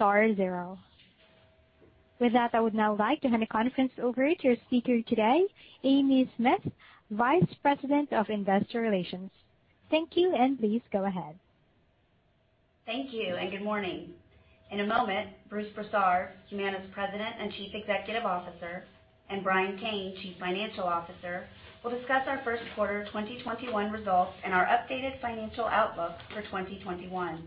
With that, I would now like to hand the conference over to your speaker today, Amy Smith, Vice President of Investor Relations. Thank you, and please go ahead. Thank you, and good morning. In a moment, Bruce Broussard, Humana's President and Chief Executive Officer, and Brian Kane, Chief Financial Officer, will discuss our first quarter 2021 results and our updated financial outlook for 2021.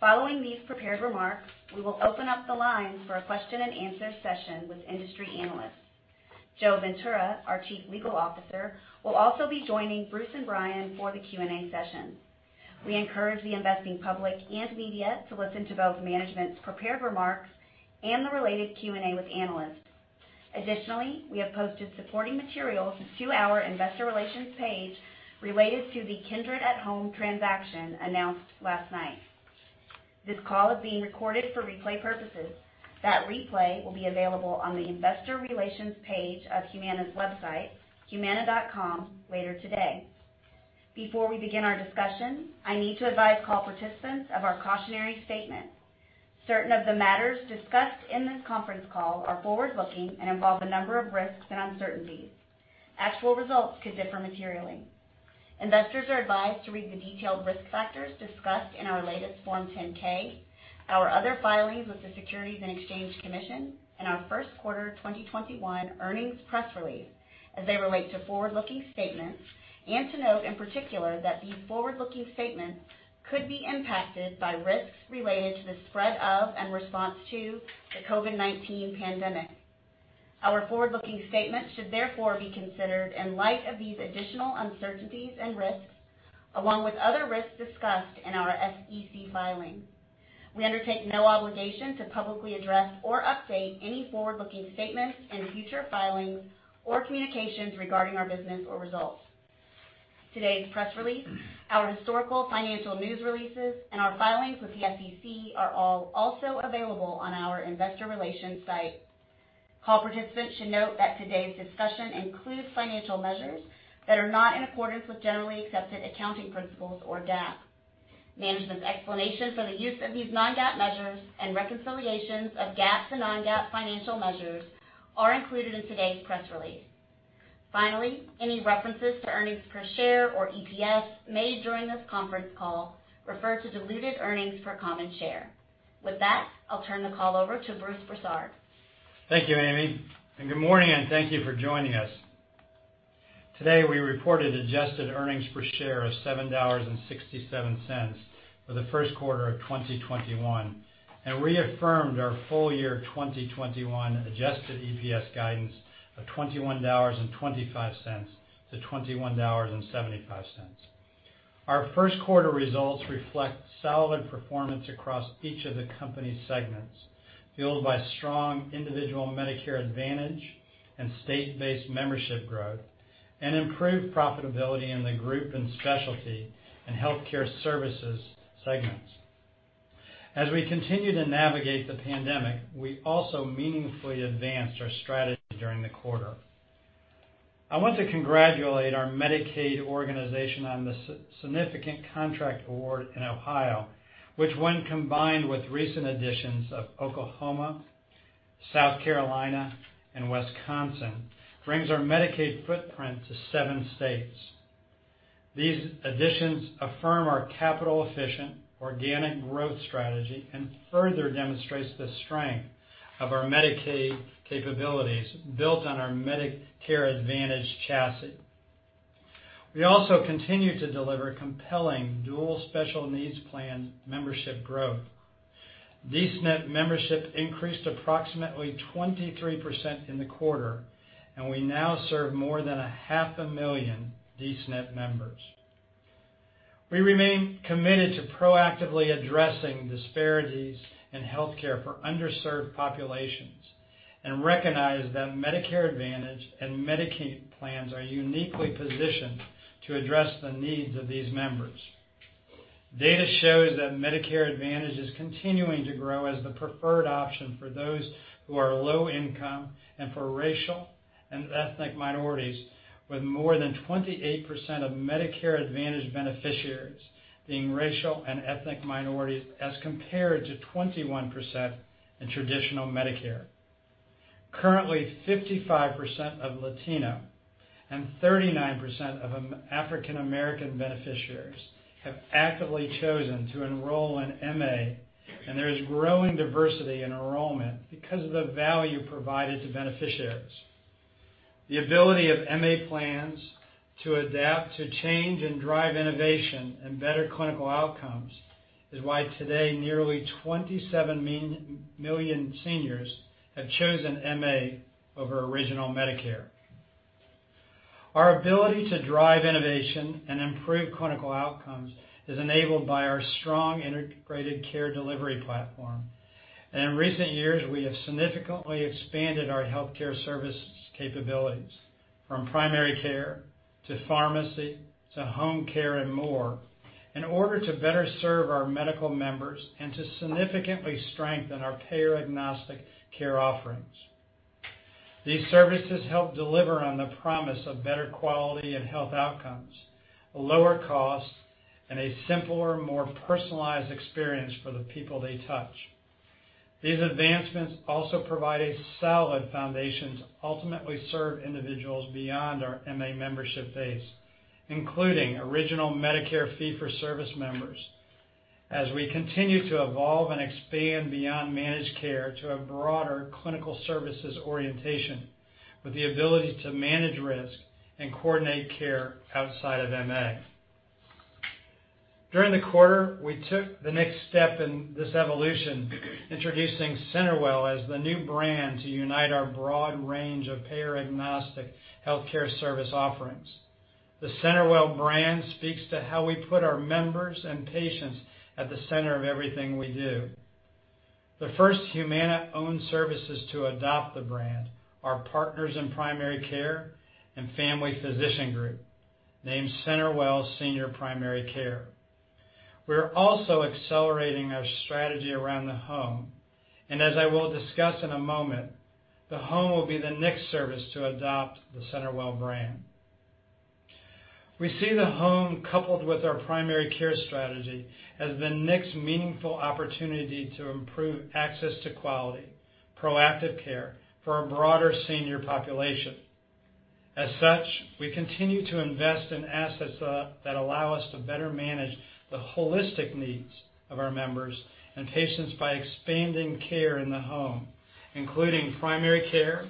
Following these prepared remarks, we will open up the line for a question-and-answer session with industry analysts. Joe Ventura, our Chief Legal Officer, will also be joining Bruce and Brian for the Q&A session. We encourage the investing public and media to listen to both management's prepared remarks and the related Q&A with analysts. Additionally, we have posted supporting materials to our investor relations page related to the Kindred at Home transaction announced last night. This call is being recorded for replay purposes. That replay will be available on the investor relations page of Humana's website, humana.com, later today. Before we begin our discussion, I need to advise call participants of our cautionary statement. Certain of the matters discussed in this conference call are forward-looking and involve a number of risks and uncertainties. Actual results could differ materially. Investors are advised to read the detailed risk factors discussed in our latest Form 10-K, our other filings with the Securities and Exchange Commission, and our first quarter 2021 earnings press release, as they relate to forward-looking statements, and to note in particular that these forward-looking statements could be impacted by risks related to the spread of and response to the COVID-19 pandemic. Our forward-looking statements should therefore be considered in light of these additional uncertainties and risks, along with other risks discussed in our SEC filings. We undertake no obligation to publicly address or update any forward-looking statements in future filings or communications regarding our business or results. Today's press release, our historical financial news releases, and our filings with the SEC are all also available on our investor relations site. Call participants should note that today's discussion includes financial measures that are not in accordance with generally accepted accounting principles, or GAAP. Management's explanation for the use of these non-GAAP measures and reconciliations of GAAP to non-GAAP financial measures are included in today's press release. Finally, any references to earnings per share, or EPS, made during this conference call refer to diluted earnings per common share. With that, I'll turn the call over to Bruce Broussard. Thank you, Amy. Good morning, and thank you for joining us. Today, we reported adjusted earnings per share of $7.67 for the first quarter of 2021 and reaffirmed our full-year 2021 adjusted EPS guidance of $21.25-$21.75. Our first quarter results reflect solid performance across each of the company's segments, fueled by strong individual Medicare Advantage and state-based membership growth, and improved profitability in the Group and Specialty and Healthcare Services segments. As we continue to navigate the pandemic, we also meaningfully advanced our strategy during the quarter. I want to congratulate our Medicaid organization on the significant contract award in Ohio, which when combined with recent additions of Oklahoma, South Carolina, and Wisconsin, brings our Medicaid footprint to seven states. These additions affirm our capital-efficient, organic growth strategy and further demonstrates the strength of our Medicaid capabilities built on our Medicare Advantage chassis. We also continue to deliver compelling dual special needs plan membership growth. D-SNP membership increased approximately 23% in the quarter, and we now serve more than a half a million D-SNP members. We remain committed to proactively addressing disparities in healthcare for underserved populations and recognize that Medicare Advantage and Medicaid plans are uniquely positioned to address the needs of these members. Data shows that Medicare Advantage is continuing to grow as the preferred option for those who are low income and for racial and ethnic minorities, with more than 28% of Medicare Advantage beneficiaries being racial and ethnic minorities as compared to 21% in traditional Medicare. Currently, 55% of Latino and 39% of African American beneficiaries have actively chosen to enroll in MA, and there is growing diversity in enrollment because of the value provided to beneficiaries. The ability of MA plans to adapt to change and drive innovation and better clinical outcomes is why today nearly 27 million seniors have chosen MA over original Medicare. Our ability to drive innovation and improve clinical outcomes is enabled by our strong integrated care delivery platform. In recent years, we have significantly expanded our healthcare service capabilities from primary care to pharmacy, to home care and more, in order to better serve our medical members and to significantly strengthen our payer-agnostic care offerings. These services help deliver on the promise of better quality and health outcomes, lower costs, and a simpler, more personalized experience for the people they touch. These advancements also provide a solid foundation to ultimately serve individuals beyond our MA membership base, including original Medicare fee-for-service members, as we continue to evolve and expand beyond managed care to a broader clinical services orientation with the ability to manage risk and coordinate care outside of MA. During the quarter, we took the next step in this evolution, introducing CenterWell as the new brand to unite our broad range of payer-agnostic healthcare service offerings. The CenterWell brand speaks to how we put our members and patients at the center of everything we do. The first Humana-owned services to adopt the brand are Partners in Primary Care and Family Physician Group, named CenterWell Senior Primary Care. We are also accelerating our strategy around the home, and as I will discuss in a moment, the home will be the next service to adopt the CenterWell brand. We see the home, coupled with our primary care strategy, as the next meaningful opportunity to improve access to quality, proactive care for our broader senior population. As such, we continue to invest in assets that allow us to better manage the holistic needs of our members and patients by expanding care in the home, including primary care,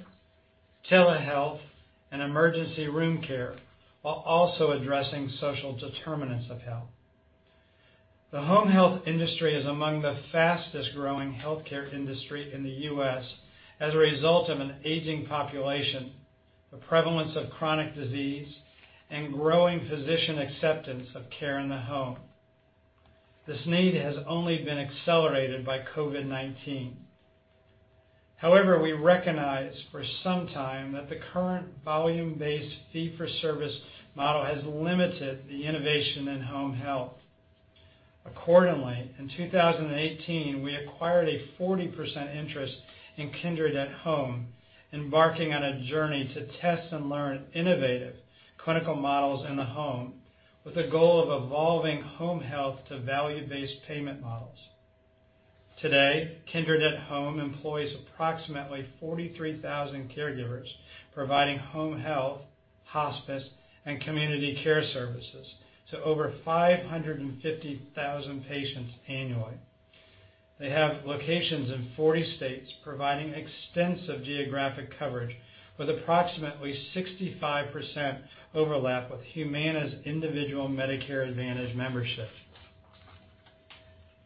telehealth, and emergency room care, while also addressing social determinants of health. The home health industry is among the fastest-growing healthcare industry in the U.S. as a result of an aging population, the prevalence of chronic disease, and growing physician acceptance of care in the home. This need has only been accelerated by COVID-19. However, we recognized for some time that the current volume-based fee-for-service model has limited the innovation in home health. Accordingly, in 2018, we acquired a 40% interest in Kindred at Home, embarking on a journey to test and learn innovative clinical models in the home with the goal of evolving home health to value-based payment models. Today, Kindred at Home employs approximately 43,000 caregivers providing home health, hospice, and community care services to over 550,000 patients annually. They have locations in 40 states, providing extensive geographic coverage with approximately 65% overlap of Humana's individual Medicare Advantage membership.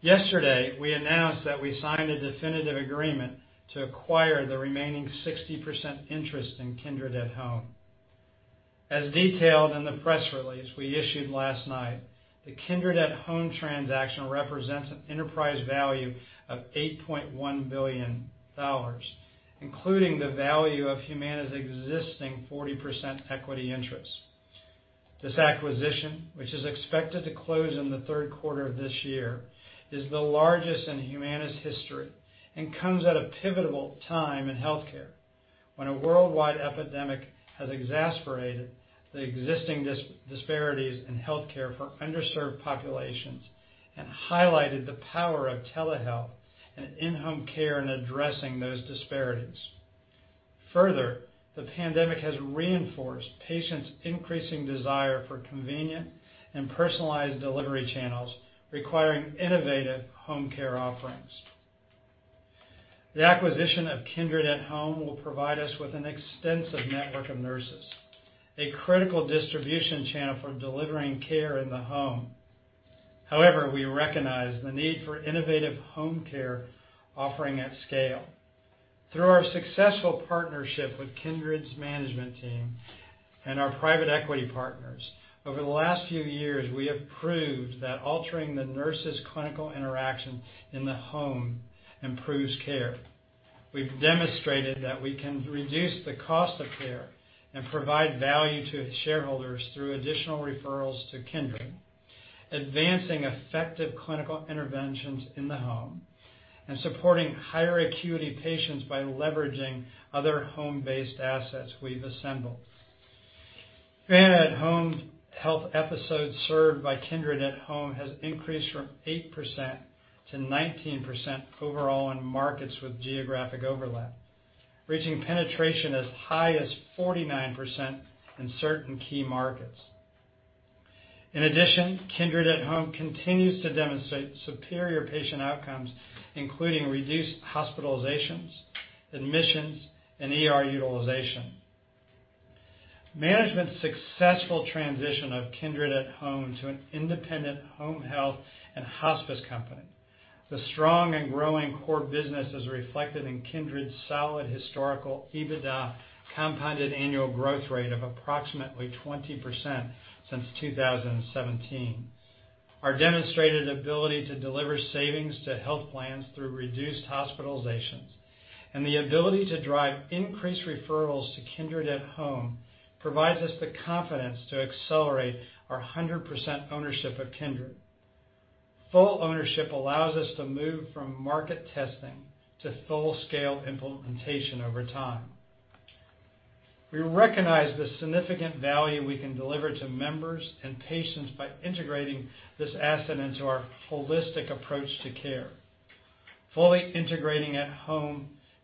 Yesterday, we announced that we signed a definitive agreement to acquire the remaining 60% interest in Kindred at Home. As detailed in the press release we issued last night, the Kindred at Home transaction represents an enterprise value of $8.1 billion, including the value of Humana's existing 40% equity interest. This acquisition, which is expected to close in the third quarter of this year, is the largest in Humana's history and comes at a pivotal time in healthcare when a worldwide epidemic has exacerbated the existing disparities in healthcare for underserved populations and highlighted the power of telehealth and in-home care in addressing those disparities. The pandemic has reinforced patients' increasing desire for convenient and personalized delivery channels requiring innovative home care offerings. The acquisition of Kindred at Home will provide us with an extensive network of nurses, a critical distribution channel for delivering care in the home. We recognize the need for innovative home care offering at scale. Through our successful partnership with Kindred's management team and our private equity partners, over the last few years we have proved that altering the nurse's clinical interaction in the home improves care. We've demonstrated that we can reduce the cost of care and provide value to its shareholders through additional referrals to Kindred, advancing effective clinical interventions in the home, and supporting higher acuity patients by leveraging other home-based assets we've assembled. Humana at Home health episodes served by Kindred at Home has increased from 8%-19% overall in markets with geographic overlap, reaching penetration as high as 49% in certain key markets. In addition, Kindred at Home continues to demonstrate superior patient outcomes, including reduced hospitalizations, admissions, and ER utilization. Management's successful transition of Kindred at Home to an independent home health and hospice company. The strong and growing core business is reflected in Kindred's solid historical EBITDA compounded annual growth rate of approximately 20% since 2017. Our demonstrated ability to deliver savings to health plans through reduced hospitalizations and the ability to drive increased referrals to Kindred at Home provides us the confidence to accelerate our 100% ownership of Kindred. Full ownership allows us to move from market testing to full-scale implementation over time. We recognize the significant value we can deliver to members and patients by integrating this asset into our holistic approach to care. Fully integrating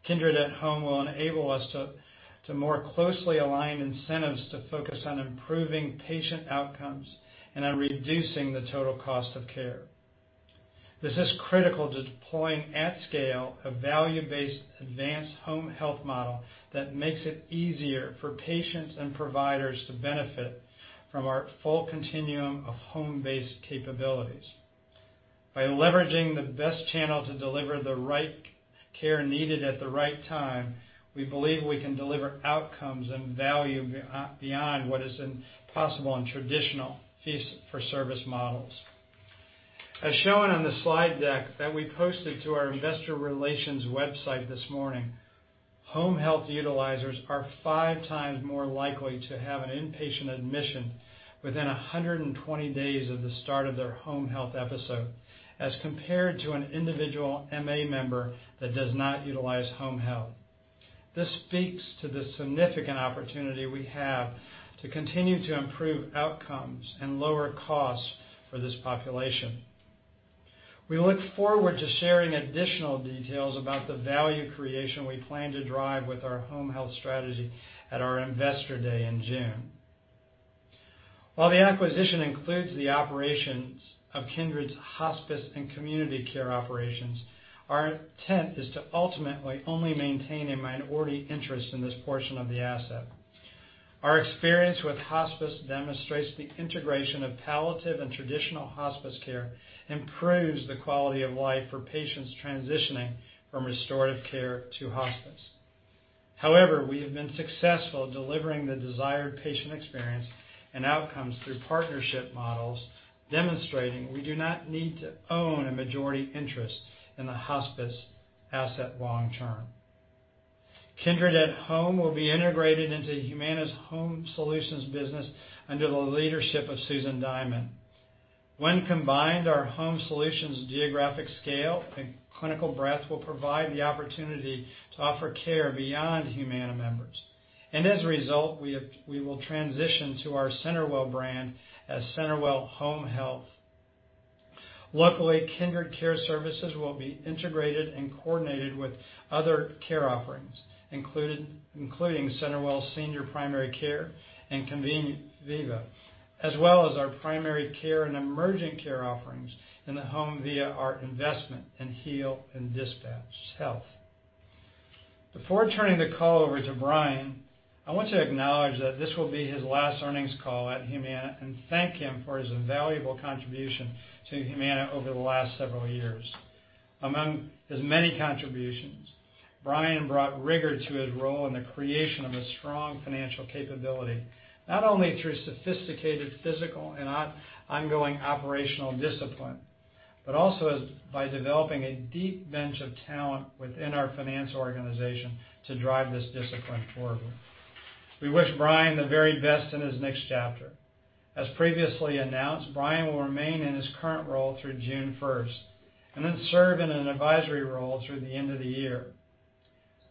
Kindred at Home will enable us to more closely align incentives to focus on improving patient outcomes and on reducing the total cost of care. This is critical to deploying at scale a value-based advanced home health model that makes it easier for patients and providers to benefit from our full continuum of home-based capabilities. By leveraging the best channel to deliver the right care needed at the right time, we believe we can deliver outcomes and value beyond what is possible in traditional fee-for-service models. As shown on the slide deck that we posted to our investor relations website this morning, home health utilizers are 5x more likely to have an inpatient admission within 120 days of the start of their home health episode as compared to an individual MA member that does not utilize home health. This speaks to the significant opportunity we have to continue to improve outcomes and lower costs for this population. We look forward to sharing additional details about the value creation we plan to drive with our home health strategy at our Investor Day in June. While the acquisition includes the operations of Kindred's hospice and community care operations, our intent is to ultimately only maintain a minority interest in this portion of the asset. Our experience with hospice demonstrates the integration of palliative and traditional hospice care improves the quality of life for patients transitioning from restorative care to hospice. However, we have been successful delivering the desired patient experience and outcomes through partnership models, demonstrating we do not need to own a majority interest in the hospice asset long term. Kindred at Home will be integrated into Humana's Home Solutions business under the leadership of Susan Diamond. When combined, our Home Solutions geographic scale and clinical breadth will provide the opportunity to offer care beyond Humana members. As a result, we will transition to our CenterWell brand as CenterWell Home Health. Locally, Kindred Care Services will be integrated and coordinated with other care offerings, including CenterWell Senior Primary Care and Conviva, as well as our primary care and emergent care offerings in the home via our investment in Heal and DispatchHealth. Before turning the call over to Brian, I want to acknowledge that this will be his last earnings call at Humana and thank him for his invaluable contribution to Humana over the last several years. Among his many contributions, Brian brought rigor to his role in the creation of a strong financial capability, not only through sophisticated fiscal and ongoing operational discipline, but also by developing a deep bench of talent within our finance organization to drive this discipline forward. We wish Brian the very best in his next chapter. As previously announced, Brian will remain in his current role through June 1st and then serve in an advisory role through the end of the year.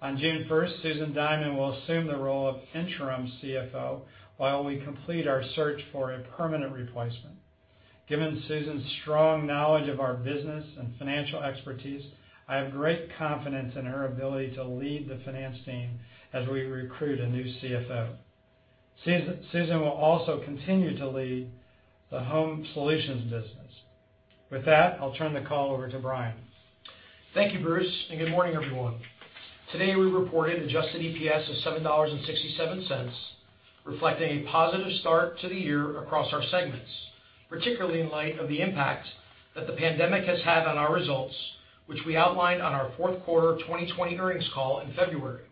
On June 1st, Susan Diamond will assume the role of interim CFO while we complete our search for a permanent replacement. Given Susan's strong knowledge of our business and financial expertise, I have great confidence in her ability to lead the finance team as we recruit a new CFO. Susan will also continue to lead the Home Solutions business. With that, I'll turn the call over to Brian. Thank you, Bruce, good morning, everyone. Today, we reported adjusted EPS of $7.67, reflecting a positive start to the year across our segments, particularly in light of the impact that the pandemic has had on our results, which we outlined on our fourth quarter 2020 earnings call in February.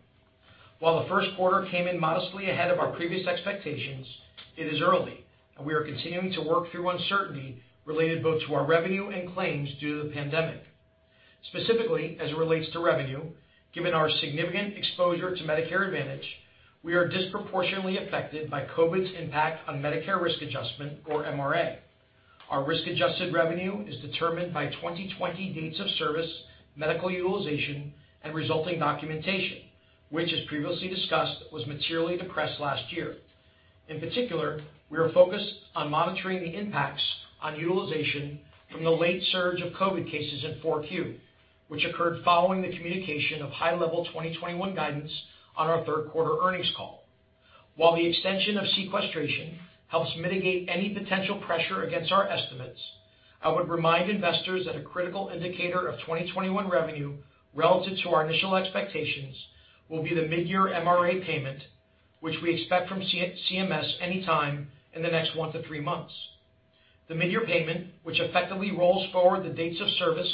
While the first quarter came in modestly ahead of our previous expectations, it is early, and we are continuing to work through uncertainty related both to our revenue and claims due to the pandemic. Specifically, as it relates to revenue, given our significant exposure to Medicare Advantage, we are disproportionately affected by COVID's impact on Medicare Risk Adjustment, or MRA. Our risk-adjusted revenue is determined by 2020 dates of service, medical utilization, and resulting documentation, which, as previously discussed, was materially depressed last year. In particular, we are focused on monitoring the impacts on utilization from the late surge of COVID-19 cases in 4Q, which occurred following the communication of high-level 2021 guidance on our Third Quarter Earnings Call. While the extension of sequestration helps mitigate any potential pressure against our estimates, I would remind investors that a critical indicator of 2021 revenue relative to our initial expectations will be the mid-year MRA payment, which we expect from CMS anytime in the next one to three months. The mid-year payment, which effectively rolls forward the dates of service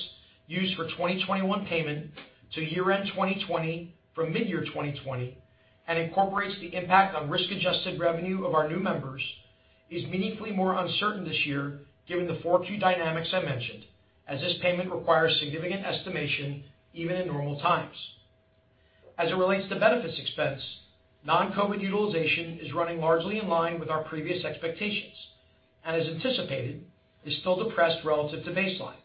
used for 2021 payment to year-end 2020 from mid-year 2020, and incorporates the impact on risk-adjusted revenue of our new members, is meaningfully more uncertain this year, given the four key dynamics I mentioned, as this payment requires significant estimation even in normal times. As it relates to benefits expense, non-COVID utilization is running largely in line with our previous expectations, and as anticipated, is still depressed relative to baseline.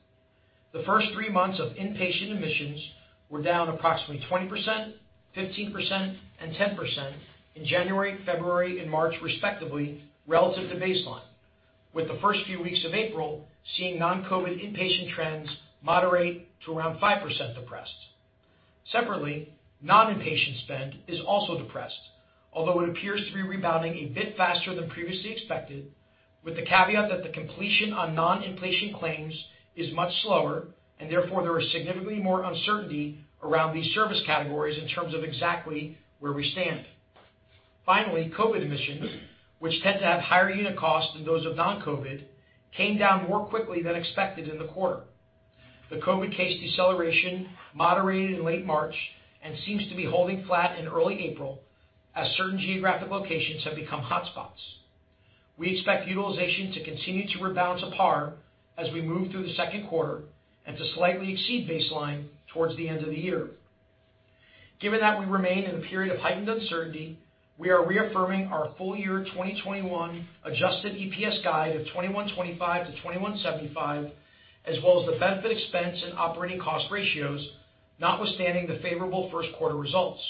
The first three months of inpatient admissions were down approximately 20%, 15%, and 10% in January, February, and March, respectively, relative to baseline, with the first few weeks of April seeing non-COVID inpatient trends moderate to around 5% depressed. Separately, non-inpatient spend is also depressed, although it appears to be rebounding a bit faster than previously expected, with the caveat that the completion on non-inpatient claims is much slower, and therefore, there is significantly more uncertainty around these service categories in terms of exactly where we stand. Finally, COVID admissions, which tend to have higher unit costs than those of non-COVID, came down more quickly than expected in the quarter. The COVID case deceleration moderated in late March and seems to be holding flat in early April as certain geographic locations have become hotspots. We expect utilization to continue to rebalance to par as we move through the second quarter and to slightly exceed baseline towards the end of the year. Given that we remain in a period of heightened uncertainty, we are reaffirming our full-year 2021 adjusted EPS guide of $21.25-$21.75, as well as the benefit expense and operating cost ratios, notwithstanding the favorable first-quarter results.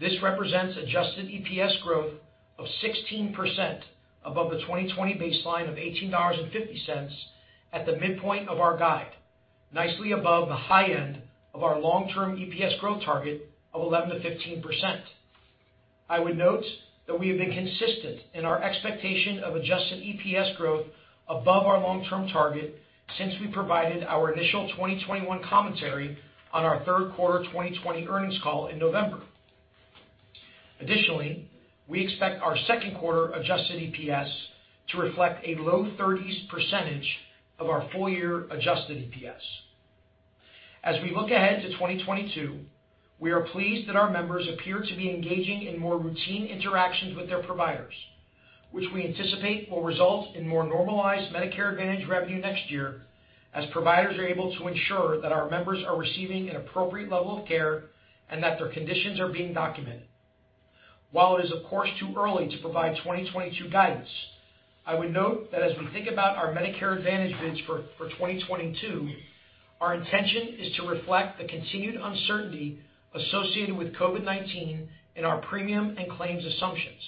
This represents adjusted EPS growth of 16% above the 2020 baseline of $18.50 at the midpoint of our guide, nicely above the high end of our long-term EPS growth target of 11%-15%. I would note that we have been consistent in our expectation of adjusted EPS growth above our long-term target since we provided our initial 2021 commentary on our Third Quarter 2020 Earnings Call in November. Additionally, we expect our second quarter adjusted EPS to reflect a low 30% of our full-year adjusted EPS. As we look ahead to 2022, we are pleased that our members appear to be engaging in more routine interactions with their providers, which we anticipate will result in more normalized Medicare Advantage revenue next year as providers are able to ensure that our members are receiving an appropriate level of care and that their conditions are being documented. While it is, of course, too early to provide 2022 guidance, I would note that as we think about our Medicare Advantage bids for 2022, our intention is to reflect the continued uncertainty associated with COVID-19 in our premium and claims assumptions.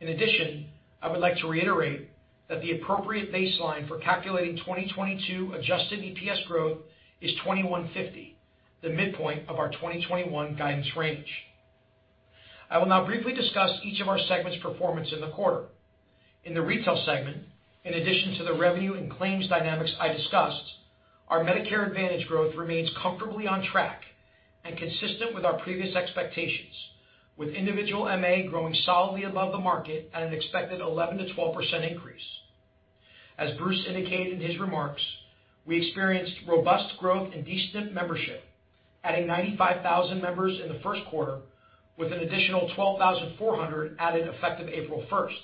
In addition, I would like to reiterate that the appropriate baseline for calculating 2022 adjusted EPS growth is $21.50, the midpoint of our 2021 guidance range. I will now briefly discuss each of our segments' performance in the quarter. In the Retail segment, in addition to the revenue and claims dynamics I discussed, our Medicare Advantage growth remains comfortably on track and consistent with our previous expectations, with individual MA growing solidly above the market at an expected 11%-12% increase. As Bruce indicated in his remarks, we experienced robust growth in D-SNP membership, adding 95,000 members in the first quarter, with an additional 12,400 added effective April 1st.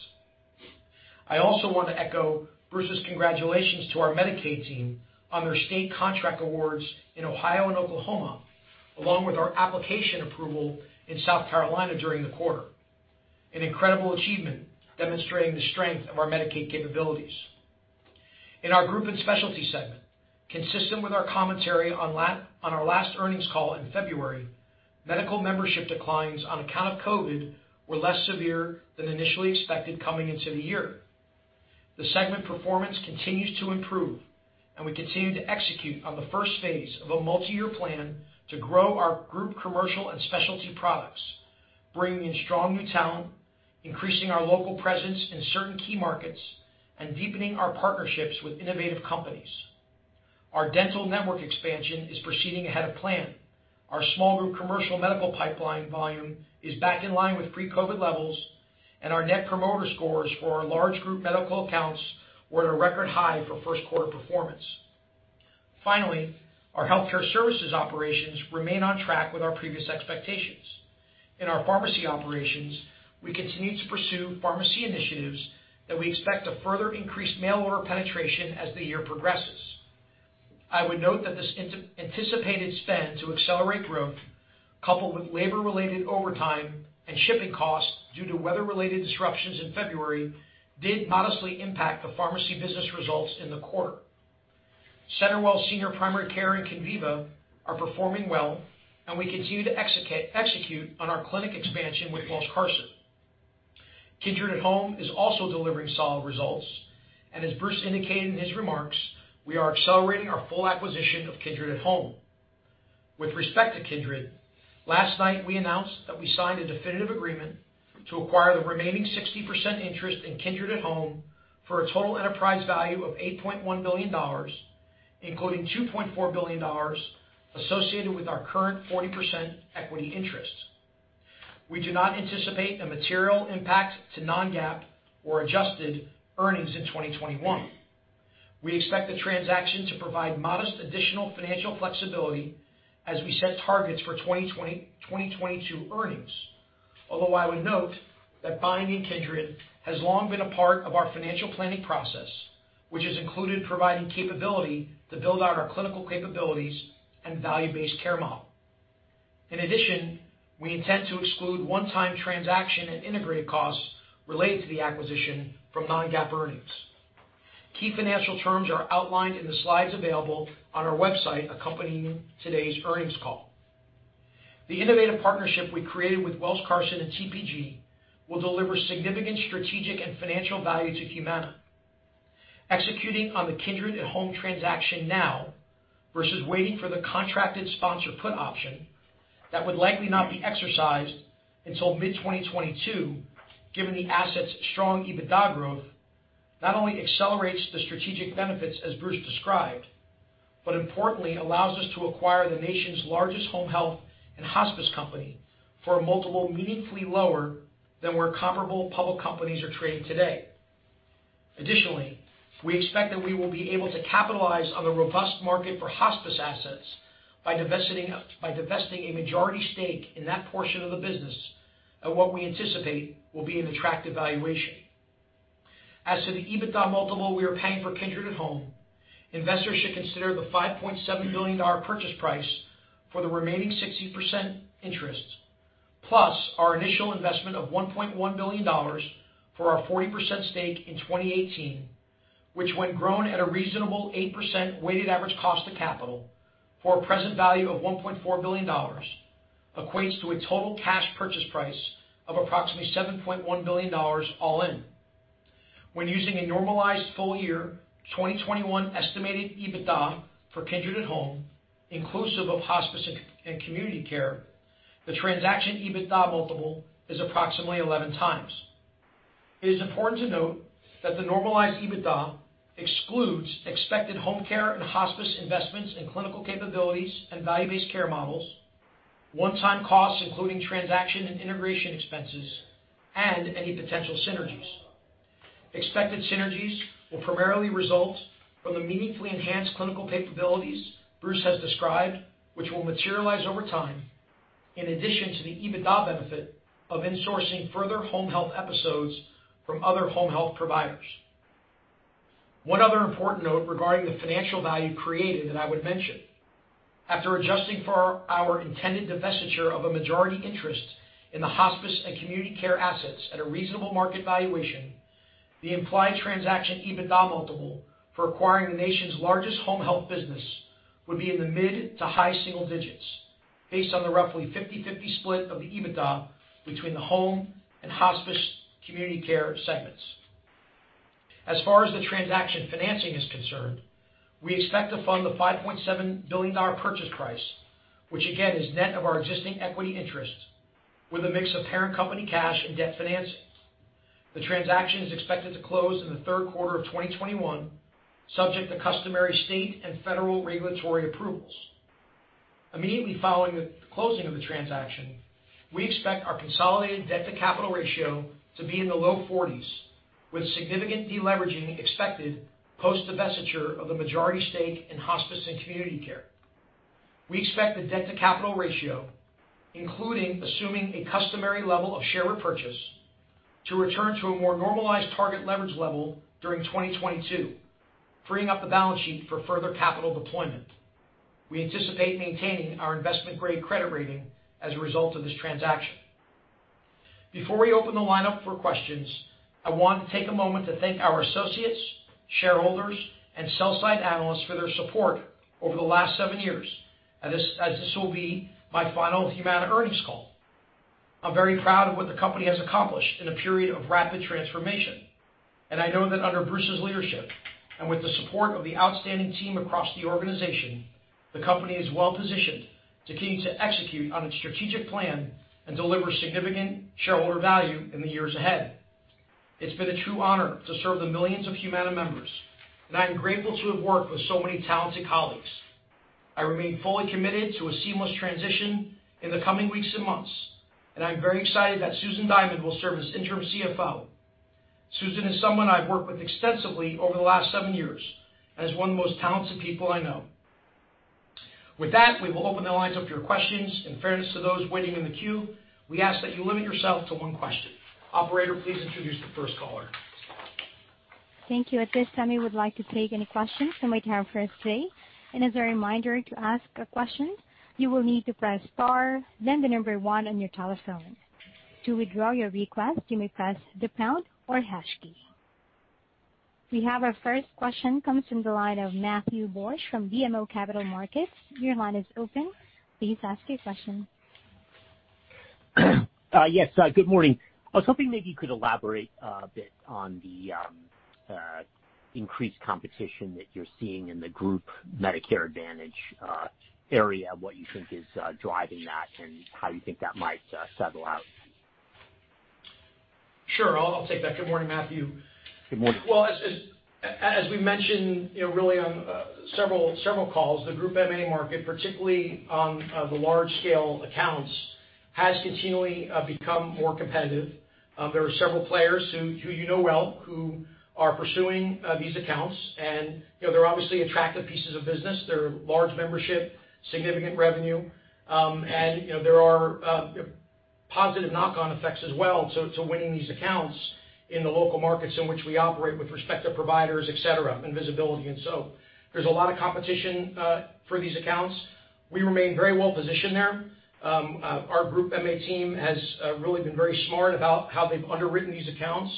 I also want to echo Bruce's congratulations to our Medicaid team on their state contract awards in Ohio and Oklahoma, along with our application approval in South Carolina during the quarter, an incredible achievement demonstrating the strength of our Medicaid capabilities. In our group and specialty segment, consistent with our commentary on our last earnings call in February, medical membership declines on account of COVID were less severe than initially expected coming into the year. The segment performance continues to improve. We continue to execute on the first phase of a multi-year plan to grow our group commercial and specialty products, bringing in strong new talent, increasing our local presence in certain key markets, and deepening our partnerships with innovative companies. Our dental network expansion is proceeding ahead of plan. Our small group commercial medical pipeline volume is back in line with pre-COVID levels, and our net promoter scores for our large group medical accounts were at a record high for first quarter performance. Finally, our healthcare services operations remain on track with our previous expectations. In our pharmacy operations, we continue to pursue pharmacy initiatives that we expect to further increase mail order penetration as the year progresses. I would note that this anticipated spend to accelerate growth, coupled with labor-related overtime and shipping costs due to weather-related disruptions in February, did modestly impact the pharmacy business results in the quarter. CenterWell Senior Primary Care and Conviva are performing well, and we continue to execute on our clinic expansion with Welsh Carson. Kindred at Home is also delivering solid results, and as Bruce indicated in his remarks, we are accelerating our full acquisition of Kindred at Home. With respect to Kindred, last night we announced that we signed a definitive agreement to acquire the remaining 60% interest in Kindred at Home for a total enterprise value of $8.1 billion including $2.4 billion associated with our current 40% equity interest. We do not anticipate a material impact to non-GAAP or adjusted earnings in 2021. We expect the transaction to provide modest additional financial flexibility as we set targets for 2022 earnings. Although I would note that buying Kindred has long been a part of our financial planning process, which has included providing capability to build out our clinical capabilities and value-based care model. In addition, we intend to exclude one-time transaction and integration costs related to the acquisition from non-GAAP earnings. Key financial terms are outlined in the slides available on our website accompanying today's earnings call. The innovative partnership we created with Welsh Carson and TPG will deliver significant strategic and financial value to Humana. Executing on the Kindred at Home transaction now versus waiting for the contracted sponsor put option that would likely not be exercised until mid-2022, given the asset's strong EBITDA growth, not only accelerates the strategic benefits as Bruce described, but importantly allows us to acquire the nation's largest home health and hospice company for a multiple meaningfully lower than where comparable public companies are trading today. Additionally, we expect that we will be able to capitalize on the robust market for hospice assets by divesting a majority stake in that portion of the business at what we anticipate will be an attractive valuation. As to the EBITDA multiple we are paying for Kindred at Home, investors should consider the $5.7 billion purchase price for the remaining 60% interest, plus our initial investment of $1.1 billion for our 40% stake in 2018, which when grown at a reasonable 8% weighted average cost of capital for a present value of $1.4 billion, equates to a total cash purchase price of approximately $7.1 billion all in. When using a normalized full-year 2021 estimated EBITDA for Kindred at Home, inclusive of hospice and community care, the transaction EBITDA multiple is approximately 11x. It is important to note that the normalized EBITDA excludes expected home care and hospice investments in clinical capabilities and value-based care models, one-time costs including transaction and integration expenses, and any potential synergies. Expected synergies will primarily result from the meaningfully enhanced clinical capabilities Bruce has described, which will materialize over time, in addition to the EBITDA benefit of insourcing further home health episodes from other home health providers. One other important note regarding the financial value created that I would mention. After adjusting for our intended divestiture of a majority interest in the hospice and community care assets at a reasonable market valuation, the implied transaction EBITDA multiple for acquiring the nation's largest home health business would be in the mid to high single digits based on the roughly 50/50 split of the EBITDA between the home and hospice community care segments. As far as the transaction financing is concerned, we expect to fund the $5.7 billion purchase price, which again is net of our existing equity interest, with a mix of parent company cash and debt financing. The transaction is expected to close in the third quarter of 2021, subject to customary state and federal regulatory approvals. Immediately following the closing of the transaction, we expect our consolidated debt-to-capital ratio to be in the low 40s, with significant de-leveraging expected post-divestiture of the majority stake in hospice and community care. We expect the debt-to-capital ratio, including assuming a customary level of share repurchase, to return to a more normalized target leverage level during 2022, freeing up the balance sheet for further capital deployment. We anticipate maintaining our investment-grade credit rating as a result of this transaction. Before we open the lineup for questions, I want to take a moment to thank our associates, shareholders, and sell-side analysts for their support over the last seven years, as this will be my final Humana earnings call. I'm very proud of what the company has accomplished in a period of rapid transformation. I know that under Bruce's leadership, and with the support of the outstanding team across the organization, the company is well-positioned to continue to execute on its strategic plan and deliver significant shareholder value in the years ahead. It's been a true honor to serve the millions of Humana members, and I am grateful to have worked with so many talented colleagues. I remain fully committed to a seamless transition in the coming weeks and months, and I'm very excited that Susan Diamond will serve as interim CFO. Susan is someone I've worked with extensively over the last seven years and is one of the most talented people I know. With that, we will open the lines up to your questions. In fairness to those waiting in the queue, we ask that you limit yourself to one question. Operator, please introduce the first caller. Thank you. At this time, we would like to take any questions from the conference today. as a reminder, to ask a question, you will need to press star, then the number one on your telephone. To withdraw your request, you may press the pound or hash key. We have our first question, comes from the line of Matthew Borsch from BMO Capital Markets. Your line is open. Please ask your question. Yes, good morning. I was hoping maybe you could elaborate a bit on the increased competition that you're seeing in the group Medicare Advantage area, what you think is driving that, and how you think that might settle out. Sure. I'll take that. Good morning, Matthew. Good morning. Well, as we mentioned on several calls, the group MA market, particularly on the large-scale accounts, has continually become more competitive. There are several players who you know well, who are pursuing these accounts, and they're obviously attractive pieces of business. They're large membership, significant revenue. There are positive knock-on effects as well to winning these accounts in the local markets in which we operate with respect to providers, et cetera, and visibility. There's a lot of competition for these accounts. We remain very well-positioned there. Our group MA team has really been very smart about how they've underwritten these accounts.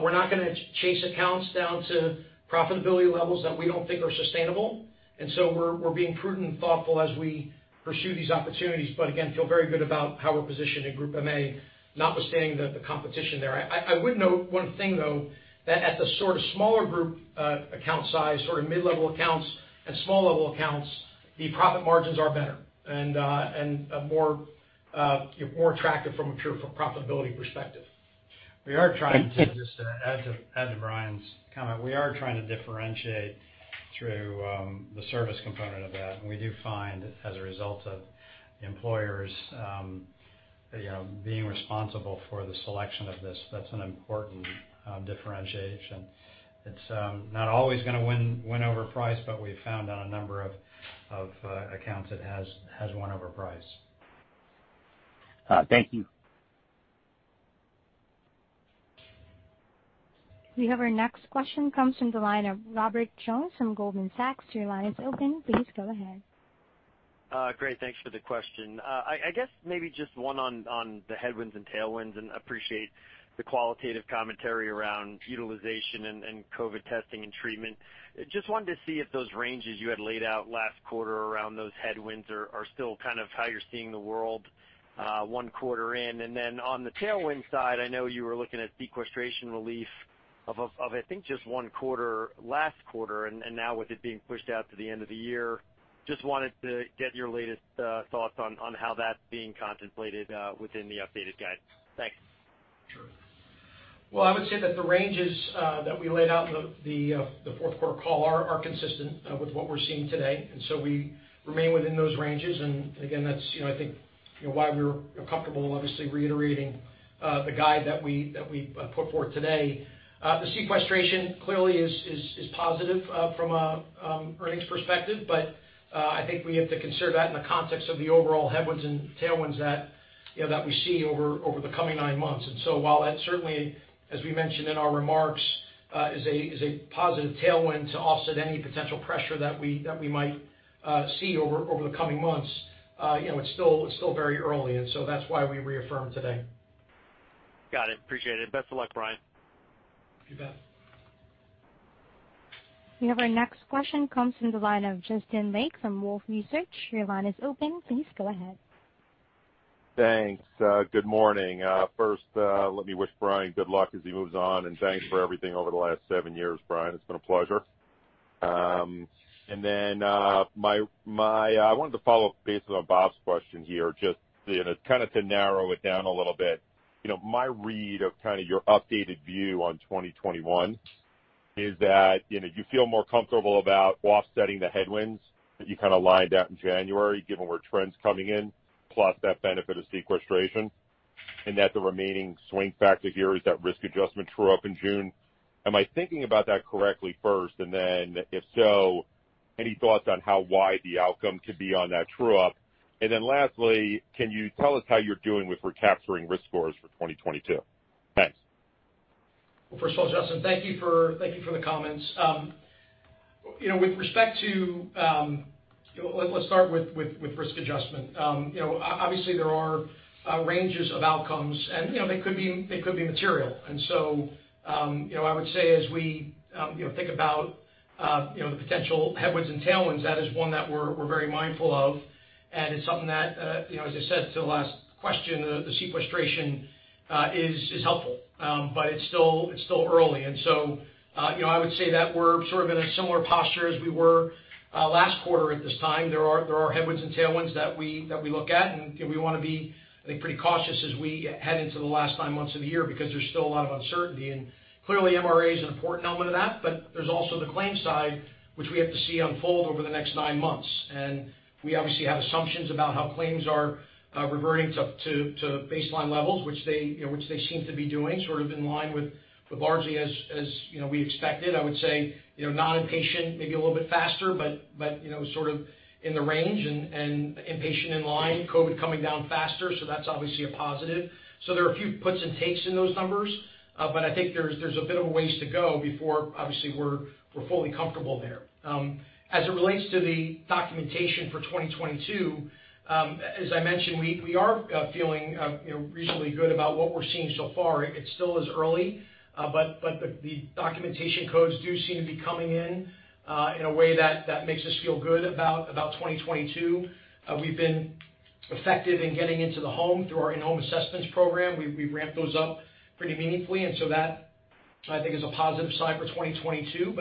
We're not going to chase accounts down to profitability levels that we don't think are sustainable. We're being prudent and thoughtful as we pursue these opportunities, but again, feel very good about how we're positioned in group MA, notwithstanding the competition there. I would note one thing, though, that at the sort of smaller group account size, sort of mid-level accounts and small level accounts, the profit margins are better and more attractive from a pure profitability perspective. Thank you. Just to add to Brian's comment, we are trying to differentiate through the service component of that, and we do find, as a result of employers being responsible for the selection of this, that's an important differentiation. It's not always going to win over price, but we've found on a number of accounts it has won over price. Thank you. We have our next question, comes from the line of Robert Jones from Goldman Sachs. Your line is open. Please go ahead. Great, thanks for the question. I guess maybe just one on the headwinds and tailwinds, and appreciate the qualitative commentary around utilization and COVID testing and treatment. Just wanted to see if those ranges you had laid out last quarter around those headwinds are still kind of how you're seeing the world one quarter in. on the tailwind side, I know you were looking at sequestration relief of, I think, just one quarter last quarter, and now with it being pushed out to the end of the year, just wanted to get your latest thoughts on how that's being contemplated within the updated guide. Thanks. Sure. Well, I would say that the ranges that we laid out in the fourth quarter call are consistent with what we're seeing today. We remain within those ranges, and again, that's I think why we're comfortable, obviously, reiterating the guide that we put forth today. The sequestration clearly is positive from an earnings perspective, but I think we have to consider that in the context of the overall headwinds and tailwinds that we see over the coming nine months. While that certainly, as we mentioned in our remarks, is a positive tailwind to offset any potential pressure that we might see over the coming months, it's still very early. That's why we reaffirmed today. Got it. Appreciate it. Best of luck, Brian. You bet. We have our next question, comes from the line of Justin Lake from Wolfe Research. Your line is open. Please go ahead. Thanks. Good morning. First, let me wish Brian good luck as he moves on, and thanks for everything over the last seven years, Brian. It's been a pleasure. I wanted to follow up based on Bob's question here, just to kind of narrow it down a little bit. My read of kind of your updated view on 2021 is that you feel more comfortable about offsetting the headwinds that you kind of lined out in January, given where trend's coming in, plus that benefit of sequestration, and that the remaining swing factor here is that risk adjustment true-up in June. Am I thinking about that correctly first? If so, any thoughts on how wide the outcome could be on that true-up? Lastly, can you tell us how you're doing with recapturing risk scores for 2022? Thanks. Well, first of all, Justin, thank you for the comments. Let's start with risk adjustment. Obviously, there are ranges of outcomes, and they could be material. I would say as we think about the potential headwinds and tailwinds, that is one that we're very mindful of, and it's something that, as I said to the last question, the sequestration is helpful. It's still early. I would say that we're sort of in a similar posture as we were last quarter at this time. There are headwinds and tailwinds that we look at, and we want to be, I think, pretty cautious as we head into the last nine months of the year because there's still a lot of uncertainty. Clearly, MRA is an important element of that. There's also the claims side, which we have to see unfold over the next nine months. We obviously have assumptions about how claims are reverting to baseline levels, which they seem to be doing, sort of in line with largely as we expected. I would say non-patient, maybe a little bit faster, but sort of in the range and inpatient in line, COVID coming down faster, so that's obviously a positive. There are a few puts and takes in those numbers. I think there's a bit of a ways to go before obviously we're fully comfortable there. As it relates to the documentation for 2022, as I mentioned, we are feeling reasonably good about what we're seeing so far. It still is early, but the documentation codes do seem to be coming in in a way that makes us feel good about 2022. We've been effective in getting into the home through our in-home assessments program. We've ramped those up pretty meaningfully, and so that I think is a positive sign for 2022.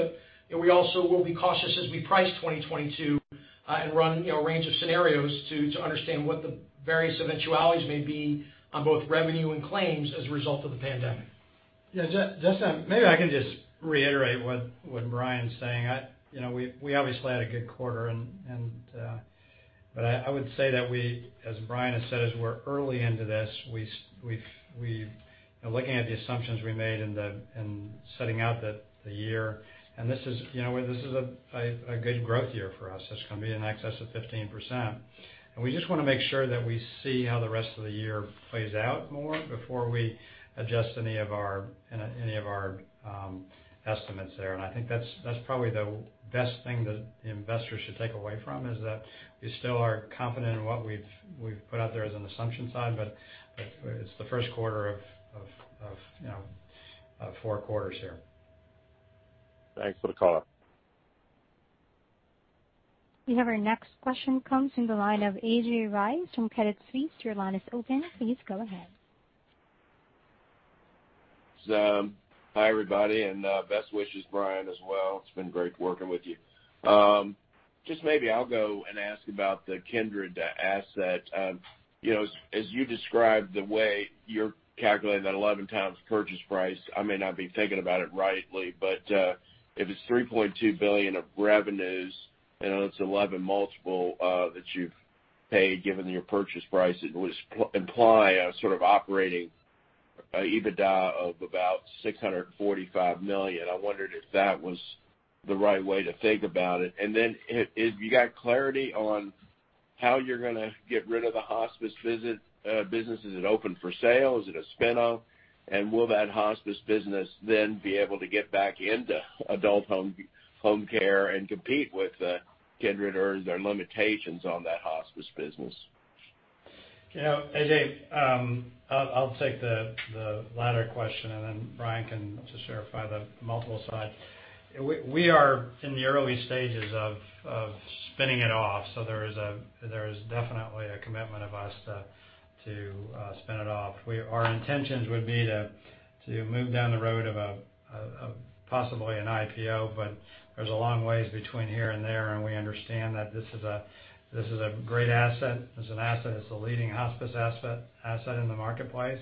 we also will be cautious as we price 2022, and run a range of scenarios to understand what the various eventualities may be on both revenue and claims as a result of the pandemic. Justin, maybe I can just reiterate what Brian's saying. We obviously had a good quarter, but I would say that we, as Brian has said, as we're early into this, looking at the assumptions we made in setting out the year, and this is a good growth year for us. It's going to be in excess of 15%. We just want to make sure that we see how the rest of the year plays out more before we adjust any of our estimates there. I think that's probably the best thing that investors should take away from, is that we still are confident in what we've put out there as an assumption side, but it's the first quarter of four quarters here. Thanks for the call. We have our next question comes from the line of AJ Rice from Credit Suisse. Your line is open. Please go ahead. Hi, everybody, and best wishes, Brian, as well. It's been great working with you. Just maybe I'll go and ask about the Kindred asset. As you described the way you're calculating that 11x purchase price, I may not be thinking about it rightly, but if it's $3.2 billion of revenues, and it's 11 multiple that you've paid, given your purchase price, it would imply a sort of operating EBITDA of about $645 million. I wondered if that was the right way to think about it. Have you got clarity on how you're going to get rid of the hospice businesses that are open for sale? Is it a spin-off? Will that hospice business then be able to get back into adult home care and compete with Kindred, or are there limitations on that hospice business? AJ, I'll take the latter question, and then Brian can just clarify the multiple side. We are in the early stages of spinning it off, so there is definitely a commitment of us to spin it off. Our intentions would be to move down the road of possibly an IPO, but there's a long way between here and there, and we understand that this is a great asset. As an asset, it's the leading hospice asset in the marketplace.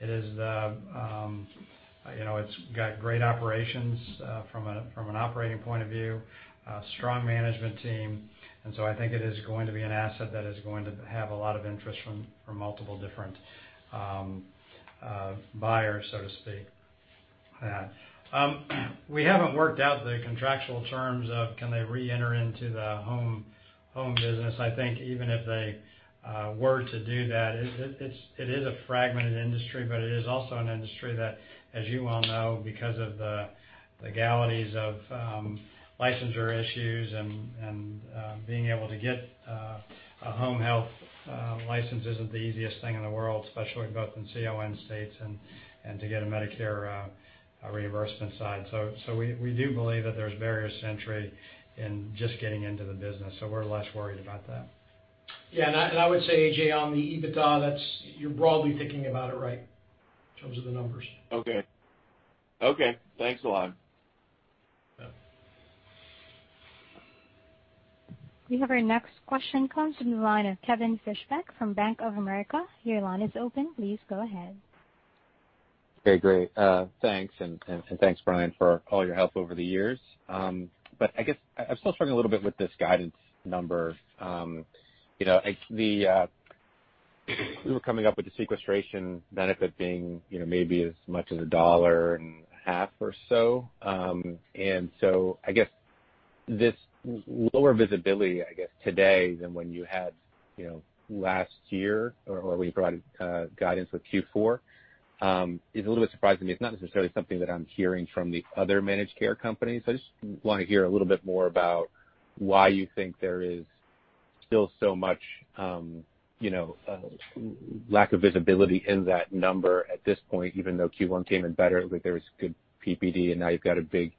It's got great operations from an operating point of view, a strong management team, and so I think it is going to be an asset that is going to have a lot of interest from multiple different buyers, so to speak. We haven't worked out the contractual terms of can they reenter into the home business. I think even if they were to do that, it is a fragmented industry, but it is also an industry that, as you well know, because of the legalities of licensure issues and being able to get a home health license isn't the easiest thing in the world, especially both in CON states and to get a Medicare reimbursement side. We do believe that there's barriers to entry in just getting into the business, so we're less worried about that. I would say, AJ, on the EBITDA, you're broadly thinking about it right in terms of the numbers. Okay. Thanks a lot. We have our next question comes from the line of Kevin Fischbeck from Bank of America. Your line is open. Please go ahead. Okay, great. Thanks, and thanks, Brian, for all your help over the years. I guess I'm still struggling a little bit with this guidance number. We were coming up with the sequestration benefit being maybe as much as a dollar and a half or so. I guess this lower visibility, I guess, today than when you had last year, or when you provided guidance with Q4, is a little bit surprising to me. It's not necessarily something that I'm hearing from the other managed care companies. I just want to hear a little bit more about why you think there is still so much lack of visibility in that number at this point, even though Q1 came in better, like there was good PPD, and now you've got a big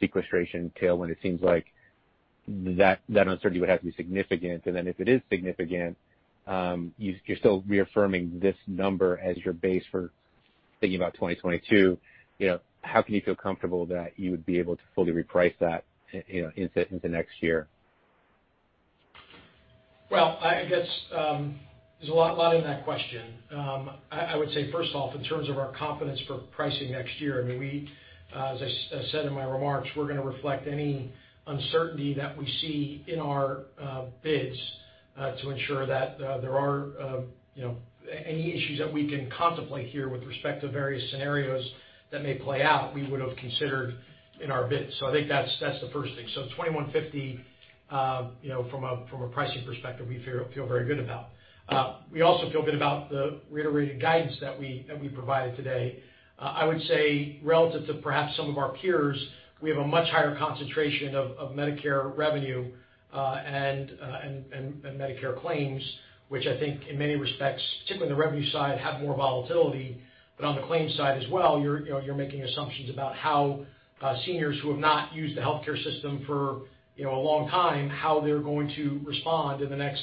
sequestration tailwind. It seems like that uncertainty would have to be significant. if it is significant, you're still reaffirming this number as your base for thinking about 2022. How can you feel comfortable that you would be able to fully reprice that into next year? Well, I guess there's a lot in that question. I would say, first off, in terms of our confidence for pricing next year, as I said in my remarks, we're going to reflect any uncertainty that we see in our bids to ensure that there are any issues that we can contemplate here with respect to various scenarios that may play out, we would've considered in our bids. I think that's the first thing. $21.50, from a pricing perspective, we feel very good about. We also feel good about the reiterated guidance that we provided today. I would say relative to perhaps some of our peers, we have a much higher concentration of Medicare revenue and Medicare claims, which I think in many respects, particularly on the revenue side, have more volatility. On the claims side as well, you're making assumptions about how seniors who have not used the healthcare system for a long time, how they're going to respond in the next,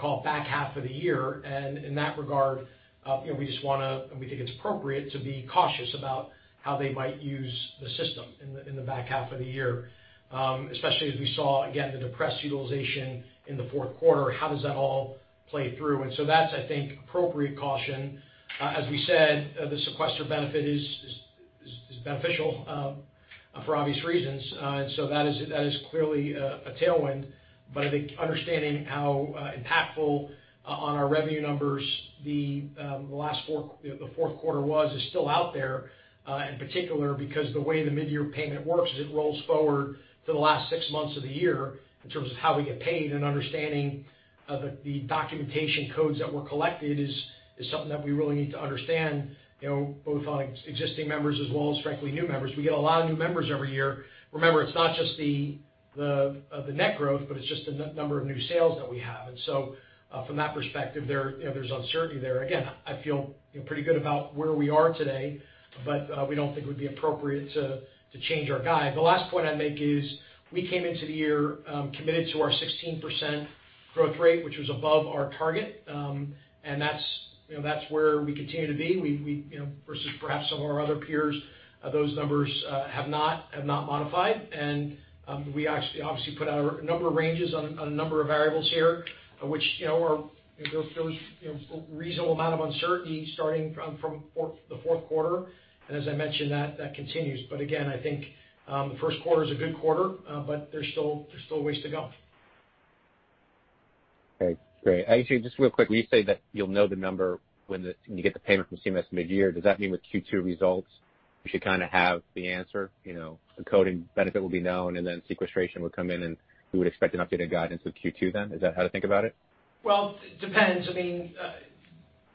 call it, back half of the year. In that regard, we just want to, and we think it's appropriate to be cautious about how they might use the system in the back half of the year, especially as we saw, again, the depressed utilization in the fourth quarter. How does that all play through? That's appropriate caution. As we said, the sequester benefit is beneficial for obvious reasons, and so that is clearly a tailwind. I think understanding how impactful on our revenue numbers the fourth quarter was is still out there, in particular because the way the midyear payment works is it rolls forward to the last six months of the year in terms of how we get paid and understanding the documentation codes that were collected is something that we really need to understand, both on existing members as well as frankly new members. We get a lot of new members every year. Remember, it's not just the net growth, but it's just the number of new sales that we have. From that perspective, there's uncertainty there. Again, I feel pretty good about where we are today, but we don't think it would be appropriate to change our guide. The last point I'd make is we came into the year committed to our 16% growth rate, which was above our target. That's where we continue to be versus perhaps some of our other peers. Those numbers have not modified. We obviously put out a number of ranges on a number of variables here, which there's reasonable amount of uncertainty starting from the fourth quarter. As I mentioned, that continues. Again, I think the first quarter is a good quarter, but there's still a ways to go. Okay, great. Actually, just real quick, when you say that you'll know the number when you get the payment from CMS midyear, does that mean with Q2 results we should have the answer? The coding benefit will be known, and then sequestration will come in and we would expect an updated guidance with Q2 then. Is that how to think about it? Well, it depends.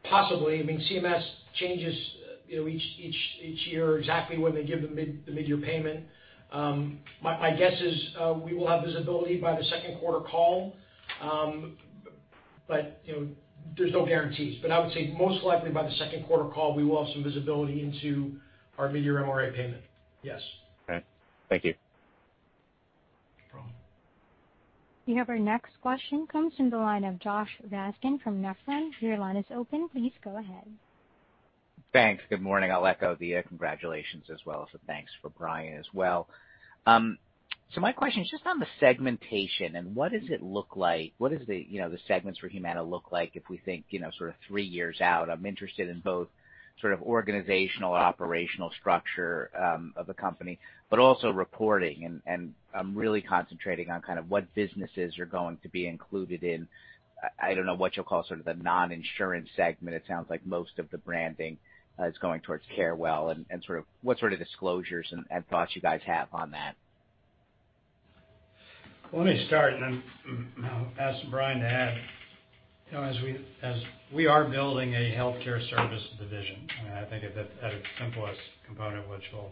Possibly. CMS changes each year exactly when they give the midyear payment. My guess is we will have visibility by the Second Quarter Call. There's no guarantees. I would say most likely by the second quarter call, we will have some visibility into our midyear MRA payment. Yes. Okay. Thank you. No problem. We have our next question comes from the line of Josh Raskin from Nephron. Your line is open. Please go ahead. Thanks. Good morning. I'll echo the congratulations as well, so thanks for Brian as well. My question is just on the segmentation and what does it look like? What does the segments for Humana look like if we think sort of three years out? I'm interested in both sort of organizational, operational structure of the company, but also reporting. I'm really concentrating on what businesses are going to be included in, I don't know what you'll call the non-insurance segment. It sounds like most of the branding is going towards CenterWell and what sort of disclosures and thoughts you guys have on that. Let me start, and then I'll ask Brian to add. We are building a healthcare service division. I think at its simplest component, which we'll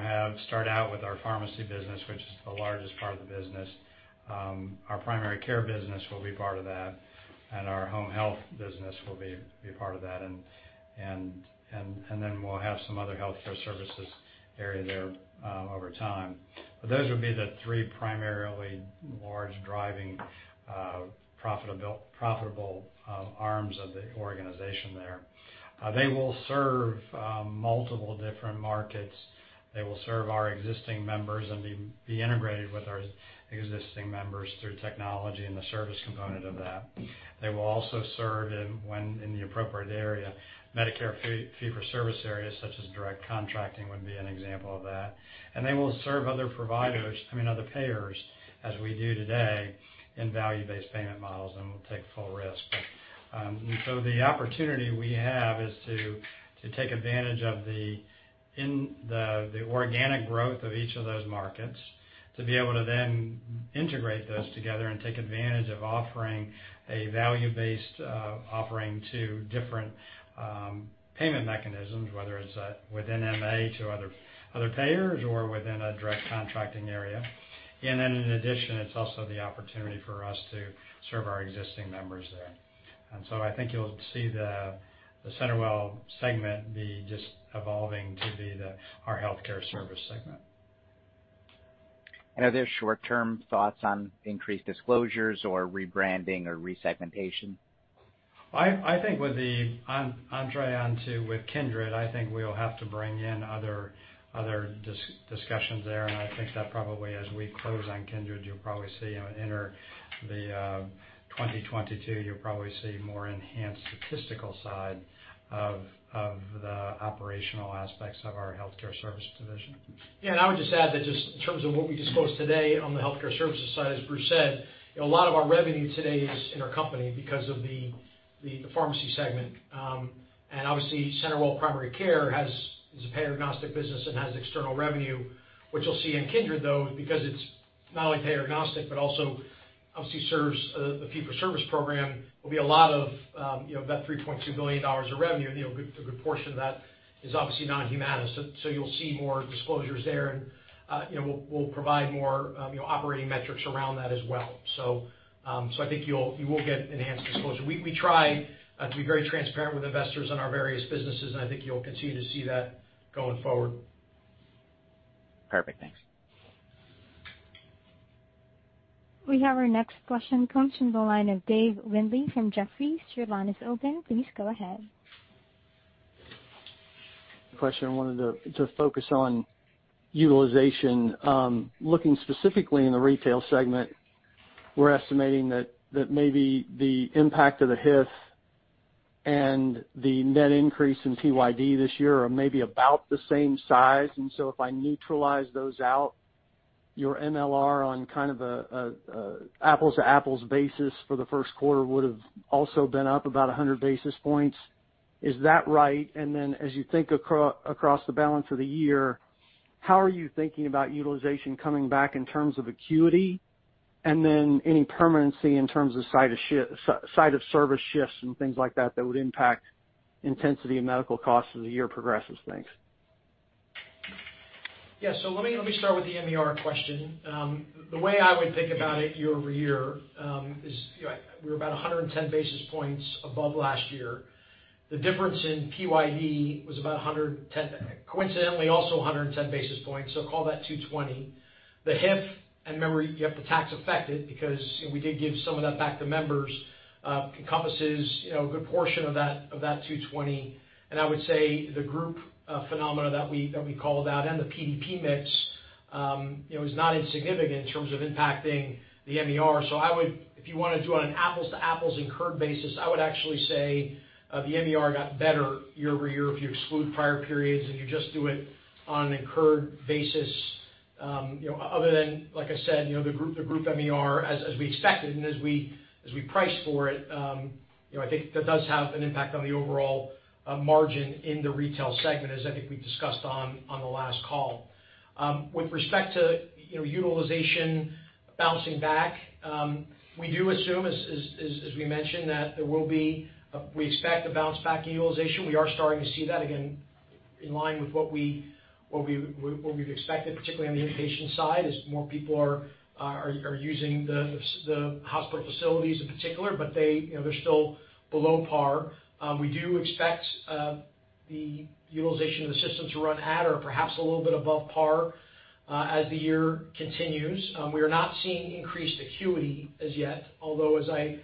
have start out with our pharmacy business, which is the largest part of the business. Our primary care business will be part of that, and our home health business will be part of that. We'll have some other healthcare services area there over time. Those would be the three primarily large, driving profitable arms of the organization there. They will serve multiple different markets. They will serve our existing members and be integrated with our existing members through technology and the service component of that. They will also serve in, when in the appropriate area, Medicare fee-for-service areas, such as Direct Contracting would be an example of that. They will serve other payers, as we do today, in value-based payment models and will take full risk. The opportunity we have is to take advantage of the organic growth of each of those markets to be able to then integrate those together and take advantage of offering a value-based offering to different payment mechanisms, whether it's within MA to other payers or within a Direct Contracting area. In addition, it's also the opportunity for us to serve our existing members there. I think you'll see the CenterWell segment be just evolving to be our healthcare service segment. Are there short-term thoughts on increased disclosures or rebranding or re-segmentation? I think with the entree onto with Kindred, I think we'll have to bring in other discussions there. I think that probably as we close on Kindred, you'll probably see, enter the 2022, you'll probably see more enhanced statistical side of the operational aspects of our healthcare service division. I would just add that just in terms of what we disclosed today on the healthcare services side, as Bruce said, a lot of our revenue today is in our company because of the pharmacy segment. Obviously CenterWell Primary Care is a payer-agnostic business and has external revenue. What you'll see in Kindred, though, because it's not only payer agnostic, but also obviously serves the fee-for-service program, will be a lot of that $3.2 billion of revenue. A good portion of that is obviously non-Humana. you'll see more disclosures there, and we'll provide more operating metrics around that as well. I think you will get enhanced disclosure. We try to be very transparent with investors on our various businesses, and I think you'll continue to see that going forward. Perfect. Thanks. We have our next question comes from the line of Dave Windley from Jefferies. Your line is open. Please go ahead. Question, I wanted to focus on utilization. Looking specifically in the retail segment, we're estimating that maybe the impact of the HIF and the net increase in PYD this year are maybe about the same size. If I neutralize those out, your MLR on kind of apples-to-apples basis for the first quarter would've also been up about 100 basis points. Is that right? As you think across the balance of the year, how are you thinking about utilization coming back in terms of acuity? Any permanency in terms of site of service shifts and things like that that would impact intensity of medical costs as the year progresses? Thanks. Let me start with the MER question. The way I would think about it year-over-year, is we're about 110 basis points above last year. The difference in PYD was about 110, coincidentally, also 110 basis points, so call that 220. The HIF, and remember, you have to tax affect it because we did give some of that back to members, encompasses a good portion of that 220. I would say the group phenomena that we called out and the PDP mix is not insignificant in terms of impacting the MER. If you want to do it on an apples-to-apples incurred basis, I would actually say the MER got better year-over-year if you exclude prior periods and you just do it on an incurred basis. Other than, like I said, the group MER, as we expected and as we priced for it, I think that does have an impact on the overall margin in the retail segment, as I think we discussed on the last call. With respect to utilization bouncing back, we do assume, as we mentioned, that we expect a bounce back in utilization. We are starting to see that again in line with what we've expected, particularly on the inpatient side, as more people are using the hospital facilities in particular, but they're still below par. We do expect the utilization of the system to run at or perhaps a little bit above par as the year continues. We are not seeing increased acuity as yet, although as I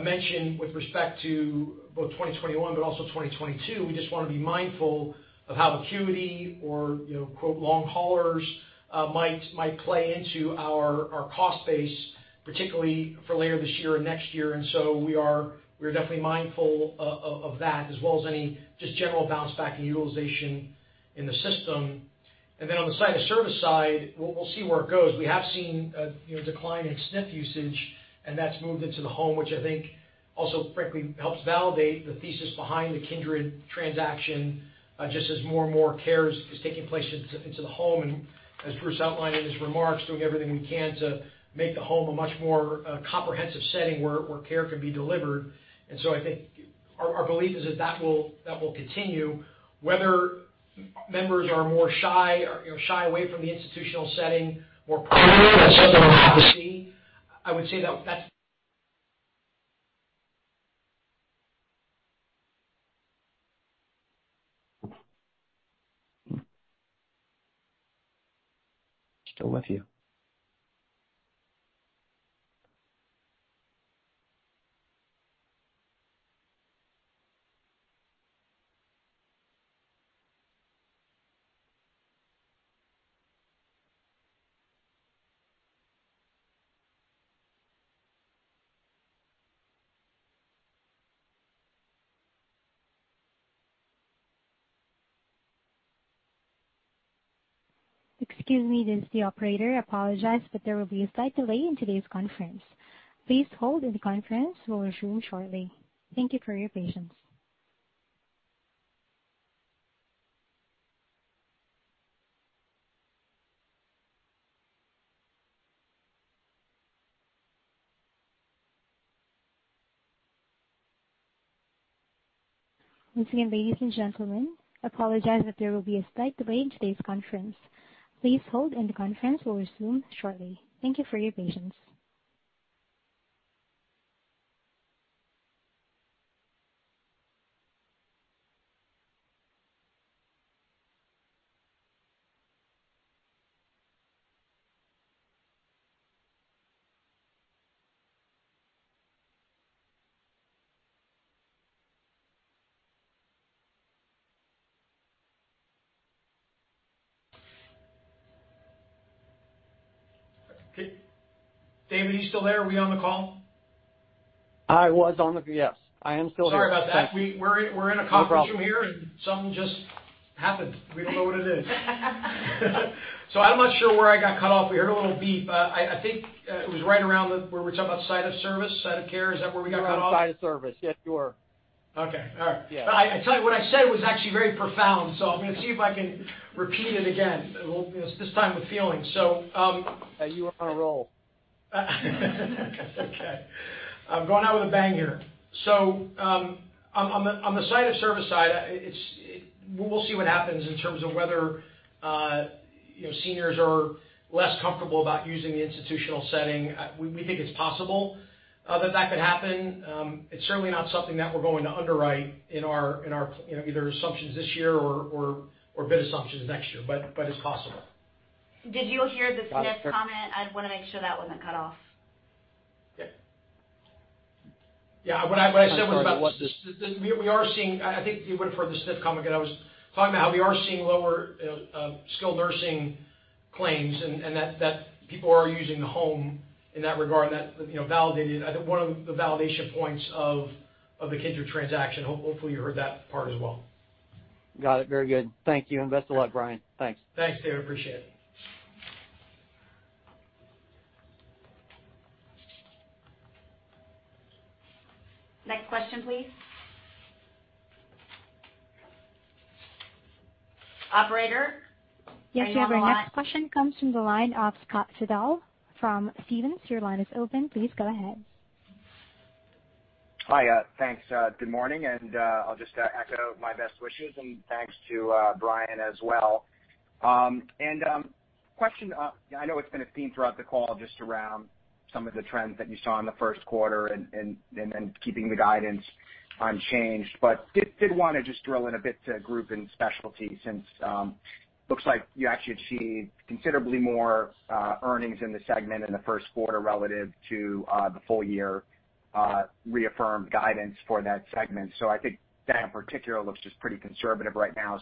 mentioned, with respect to both 2021, but also 2022, we just want to be mindful of how acuity or quote long haulers might play into our cost base, particularly for later this year and next year. We are definitely mindful of that as well as any just general bounce back in utilization in the system. On the site of service side, we'll see where it goes. We have seen a decline in SNF usage, and that's moved into the home, which I think also frankly helps validate the thesis behind the Kindred transaction, just as more and more care is taking place into the home, and as Bruce outlined in his remarks, doing everything we can to make the home a much more comprehensive setting where care can be delivered. I think our belief is that will continue. Whether members are more shy away from the institutional setting, more permanently, that's something we will have to see. David, are you still there? Are we on the call? Yes. I am still here. Sorry about that. No problem. We're in a conference room here. Something just happened. We don't know what it is. I'm not sure where I got cut off. We heard a little beep. I think it was right around where we were talking about site of service, site of care. Is that where we got cut off? Site of service. Yes, you were. Okay. All right. I tell you, what I said was actually very profound, so I'm going to see if I can repeat it again, this time with feeling. Okay. I'm going out with a bang here. On the site of service side, we'll see what happens in terms of whether seniors are less comfortable about using the institutional setting. We think it's possible that could happen. It's certainly not something that we're going to underwrite in our either assumptions this year or bid assumptions next year. It's possible. Did you hear the SNF comment? I'd want to make sure that wasn't cut off. We are seeing, I think you would've heard the SNF comment, again, I was talking about how we are seeing lower skilled nursing claims and that people are using the home in that regard, and that validated one of the validation points of the Kindred transaction. Hopefully, you heard that part as well. Got it. Very good. Thank you, and best of luck, Brian. Thanks. Thanks, Dave. Appreciate it. Next question, please. Operator, are you on the line? Yes. Your next question comes from the line of Scott Fidel from Stephens. Your line is open. Please go ahead. Hi. Thanks. Good morning, and I'll just echo my best wishes and thanks to Brian as well. Question, I know it's been a theme throughout the call just around some of the trends that you saw in the first quarter and keeping the guidance unchanged. Did want to just drill in a bit to group and specialty since looks like you actually achieved considerably more earnings in the segment in the first quarter relative to the full year reaffirmed guidance for that segment. I think that in particular looks just pretty conservative right now.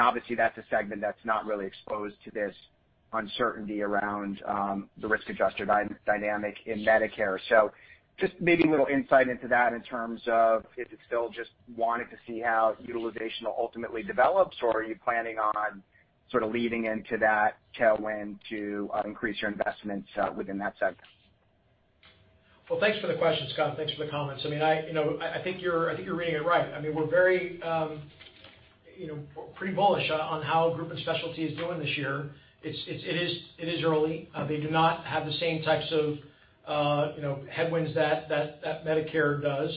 Obviously, that's a segment that's not really exposed to this uncertainty around the risk-adjusted dynamic in Medicare. Just maybe a little insight into that in terms of if it's still just wanting to see how utilization will ultimately develops, or are you planning on sort of leaning into that tailwind to increase your investments within that segment? Well, thanks for the question, Scott. Thanks for the comments. I think you're reading it right. We're very pretty bullish on how group and specialty is doing this year. It is early. They do not have the same types of headwinds that Medicare does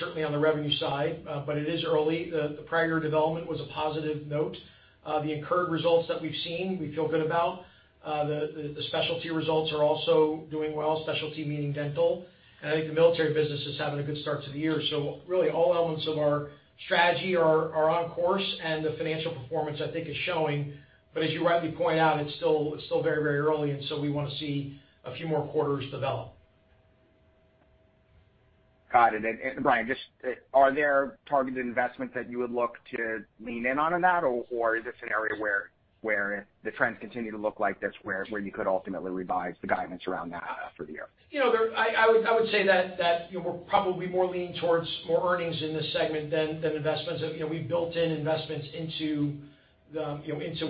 certainly on the revenue side. It is early. The prior development was a positive note. The incurred results that we've seen, we feel good about. The specialty results are also doing well, specialty meaning dental. I think the military business is having a good start to the year. Really all elements of our strategy are on course, and the financial performance, I think, is showing. As you rightly point out, it's still very early, and so we want to see a few more quarters develop. Got it. Brian, just are there targeted investments that you would look to lean in on that, or is this an area where the trends continue to look like this, where you could ultimately revise the guidance around that for the year? I would say that we're probably more leaning towards more earnings in this segment than investments. We've built in investments into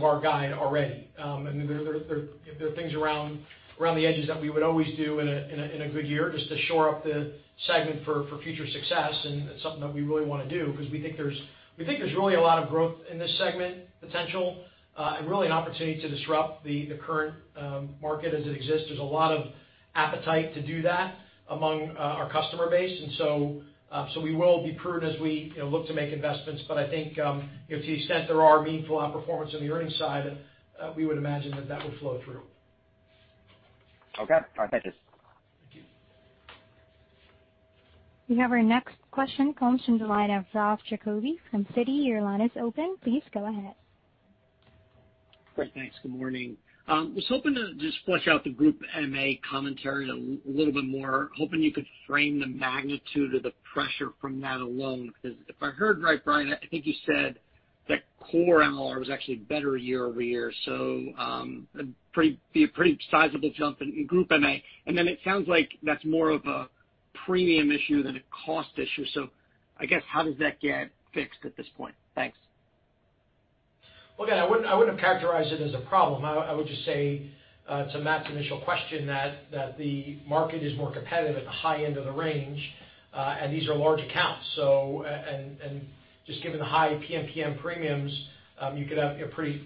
our guide already. There are things around the edges that we would always do in a good year just to shore up the segment for future success, and it's something that we really want to do because we think there's really a lot of growth in this segment potential, and really an opportunity to disrupt the current market as it exists. There's a lot of appetite to do that among our customer base, and so we will be prudent as we look to make investments. To the extent there are meaningful outperformance on the earnings side, we would imagine that that will flow through. Okay. All right. Thank you. Thank you. We have our next question comes from the line of Ralph Giacobbe from Citi. Your line is open. Please go ahead. Great. Thanks. Good morning. Was hoping to just flesh out the group MA commentary a little bit more, hoping you could frame the magnitude of the pressure from that alone, because if I heard right, Brian, I think you said that core MLR was actually better year-over-year. Pretty sizable jump in group MA. It sounds like that's more of a premium issue than a cost issue. I guess how does that get fixed at this point? Thanks. Well, again, I wouldn't have characterized it as a problem. I would just say to Matt's initial question that the market is more competitive at the high end of the range, and these are large accounts. Just given the high PMPM premiums, you could have pretty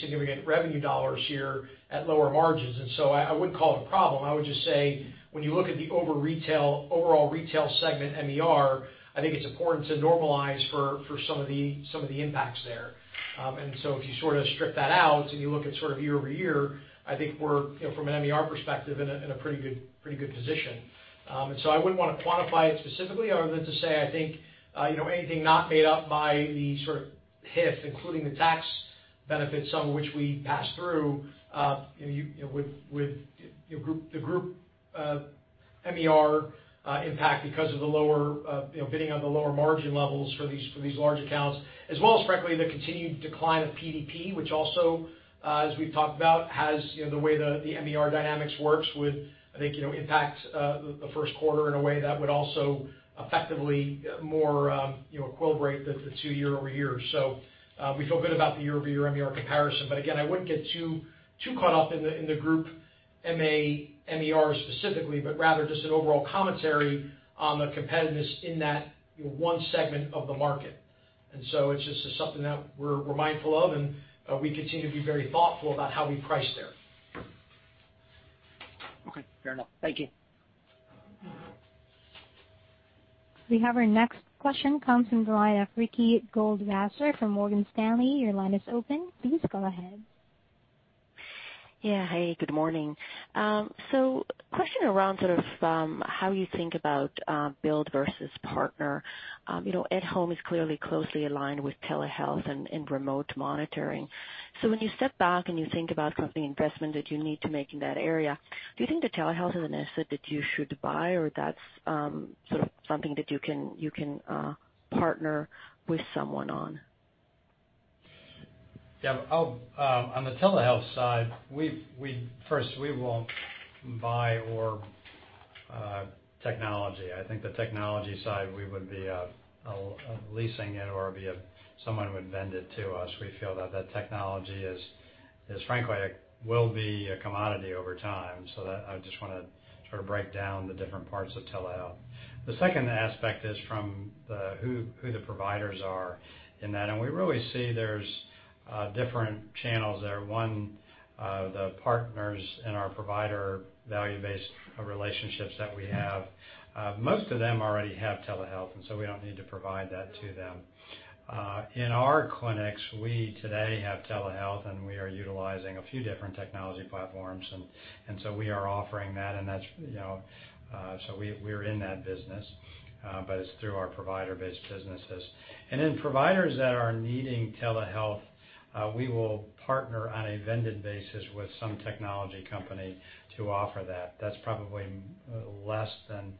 significant revenue dollars here at lower margins. I wouldn't call it a problem. I would just say when you look at the overall retail segment MER, I think it's important to normalize for some of the impacts there. If you sort of strip that out and you look at sort of year-over-year, I think we're, from an MER perspective, in a pretty good position. I wouldn't want to quantify it specifically other than to say I think anything not made up by the sort of HIF, including the tax benefits, some of which we pass through, with the group MER impact because of the bidding on the lower margin levels for these large accounts. As well as frankly, the continued decline of PDP, which also, as we've talked about, has the way the MER dynamics works would, I think, impact the first quarter in a way that would also effectively more equilibrate the two year-over-years. We feel good about the year-over-year MER comparison, but again, I wouldn't get too caught up in the group MA MER specifically, but rather just an overall commentary on the competitiveness in that one segment of the market. It's just something that we're mindful of, and we continue to be very thoughtful about how we price there. Okay, fair enough. Thank you. We have our next question comes from Ricky Goldwasser from Morgan Stanley. Your line is open. Please go ahead. Hey, good morning. Question around how you think about build versus partner. At home is clearly closely aligned with telehealth and remote monitoring. When you step back and you think about company investment that you need to make in that area, do you think that telehealth is an asset that you should buy or that's something that you can partner with someone on? On the telehealth side, first, we won't buy more technology. I think the technology side, we would be leasing it or someone would vend it to us. We feel that that technology frankly, will be a commodity over time. That I just want to break down the different parts of telehealth. The second aspect is from who the providers are in that, and we really see there's different channels there. One, the partners in our provider value-based relationships that we have. Most of them already have telehealth, and so we don't need to provide that to them. In our clinics, we today have telehealth, and we are utilizing a few different technology platforms. We are offering that and so we're in that business. It's through our provider-based businesses. providers that are needing telehealth, we will partner on a vended basis with some technology company to offer that. That's probably less than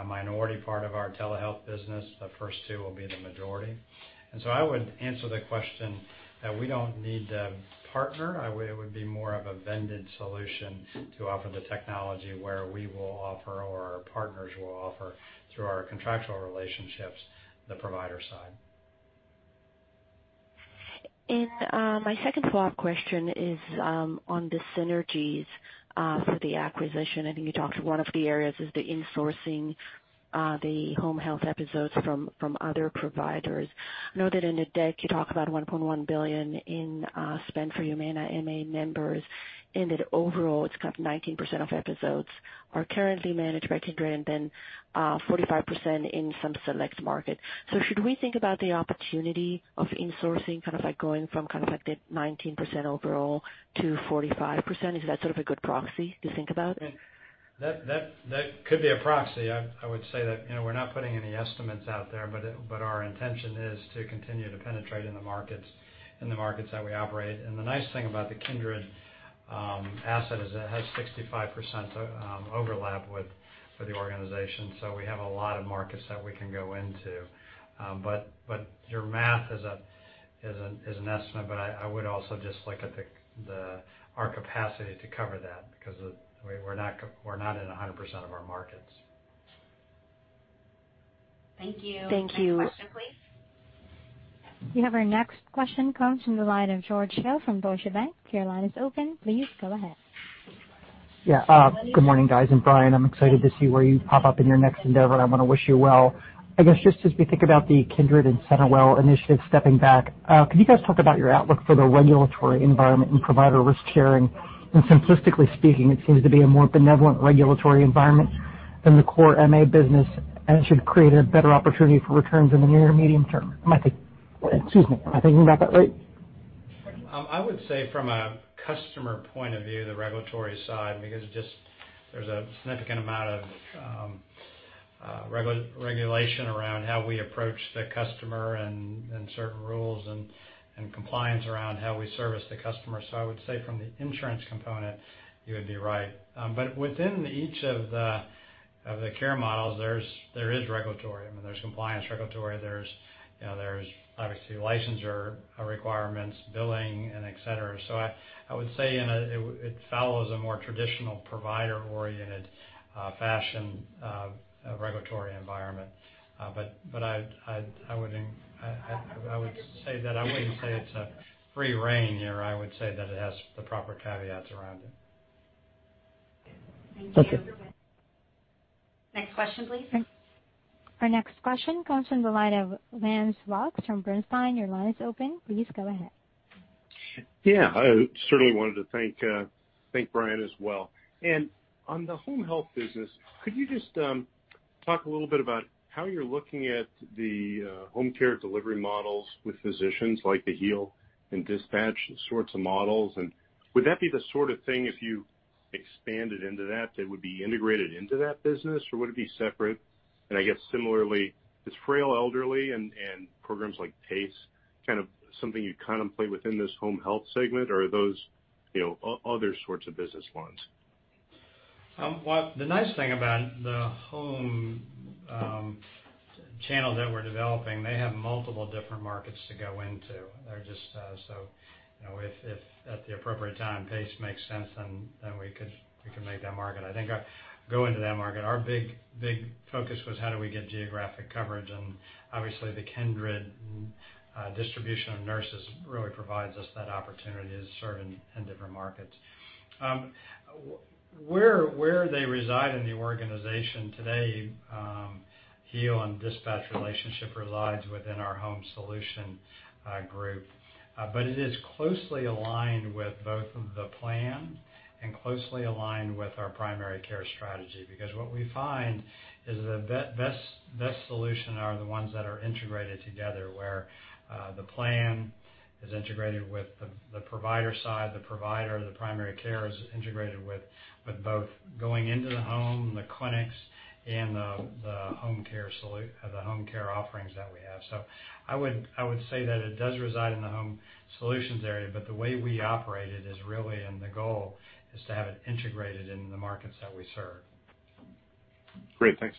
a minority part of our telehealth business. The first two will be the majority. I would answer the question that we don't need to partner. It would be more of a vended solution to offer the technology where we will offer or our partners will offer through our contractual relationships, the provider side. My second follow-up question is on the synergies for the acquisition. I think you talked one of the areas is the insourcing the home health episodes from other providers. I know that in the deck, you talk about $1.1 billion in spend for Humana MA members, and that overall, it's kind of 19% of episodes are currently managed by Kindred, and then 45% in some select markets. should we think about the opportunity of insourcing, like going from that 19% overall to 45%? Is that a good proxy to think about? That could be a proxy. I would say that we're not putting any estimates out there, but our intention is to continue to penetrate in the markets that we operate. The nice thing about the Kindred asset is it has 65% overlap with the organization. We have a lot of markets that we can go into. Your math is an estimate, but I would also just look at our capacity to cover that because we're not in 100% of our markets. Thank you. Thank you. Next question, please. We have our next question comes from the line of George Hill from Deutsche Bank. Your line is open. Please go ahead. Good morning, guys, and Brian, I'm excited to see where you pop up in your next endeavor, and I want to wish you well. I guess just as we think about the Kindred and CenterWell initiative, stepping back, can you guys talk about your outlook for the regulatory environment and provider risk-sharing? Simplistically speaking, it seems to be a more benevolent regulatory environment than the core MA business, and it should create a better opportunity for returns in the near or medium term. Am I thinking about that right? I would say from a customer point of view, the regulatory side, because there's a significant amount of regulation around how we approach the customer and certain rules and compliance around how we service the customer. I would say from the insurance component, you would be right. Within each of the care models, there is regulatory. I mean, there's compliance regulatory, there's obviously licensure requirements, billing, and et cetera. I would say it follows a more traditional provider-oriented fashion regulatory environment. I would say that I wouldn't say it's a free rein here. I would say that it has the proper caveats around it. Okay. Thank you. Next question, please. Our next question comes from the line of Lance Wilkes from Bernstein. Your line is open. Please go ahead. Yeah. I certainly wanted to thank Brian as well. On the home health business, could you just talk a little bit about how you're looking at the home care delivery models with physicians like the Heal and DispatchHealth sorts of models? Would that be the sort of thing, if you expanded into that would be integrated into that business, or would it be separate? I guess similarly, is frail, elderly, and programs like PACE kind of something you contemplate within this home health segment or are those other sorts of business ones? The nice thing about the home channel that we're developing, they have multiple different markets to go into. They're just so if at the appropriate time, PACE makes sense, then we can make that market. I think going to that market, our big focus was how do we get geographic coverage? obviously, the Kindred distribution of nurses really provides us that opportunity to serve in different markets. Where they reside in the organization today, Heal and DispatchHealth relationship resides within our home solution group. it is closely aligned with both the plan and closely aligned with our primary care strategy, because what we find is the best solution are the ones that are integrated together, where the plan is integrated with the provider side, the provider, the primary care is integrated with both going into the home, the clinics, and the home care offerings that we have. I would say that it does reside in the Home Solutions area, but the way we operate it is really, and the goal is to have it integrated in the markets that we serve. Great. Thanks.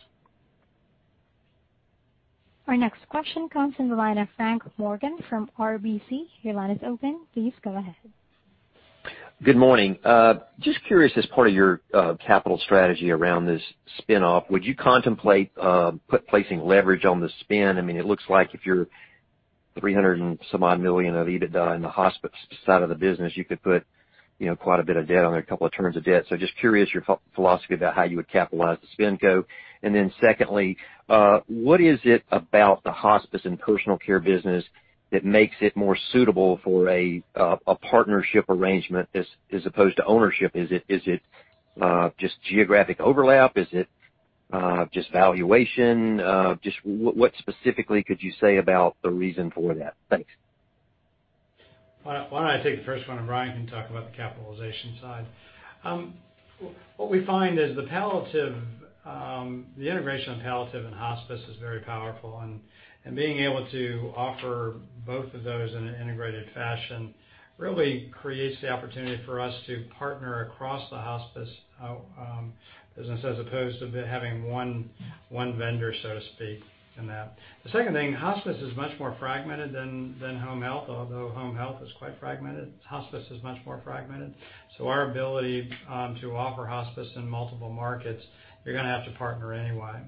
Our next question comes from the line of Frank Morgan from RBC. Your line is open. Please go ahead. Good morning. Just curious, as part of your capital strategy around this spin-off, would you contemplate placing leverage on the spin? It looks like if you're 300 and some odd million of EBITDA in the hospice side of the business, you could put quite a bit of debt on there, a couple of turns of debt. Just curious your philosophy about how you would capitalize the SpinCo. Then secondly, what is it about the hospice and personal care business that makes it more suitable for a partnership arrangement as opposed to ownership? Is it just geographic overlap? Is it just valuation? Just what specifically could you say about the reason for that? Thanks. Why don't I take the first one, and Brian can talk about the capitalization side. What we find is the integration of palliative and hospice is very powerful, and being able to offer both of those in an integrated fashion really creates the opportunity for us to partner across the hospice business as opposed to having one vendor, so to speak, in that. The second thing, hospice is much more fragmented than home health. Although home health is quite fragmented, hospice is much more fragmented. Our ability to offer hospice in multiple markets, you're going to have to partner anyway.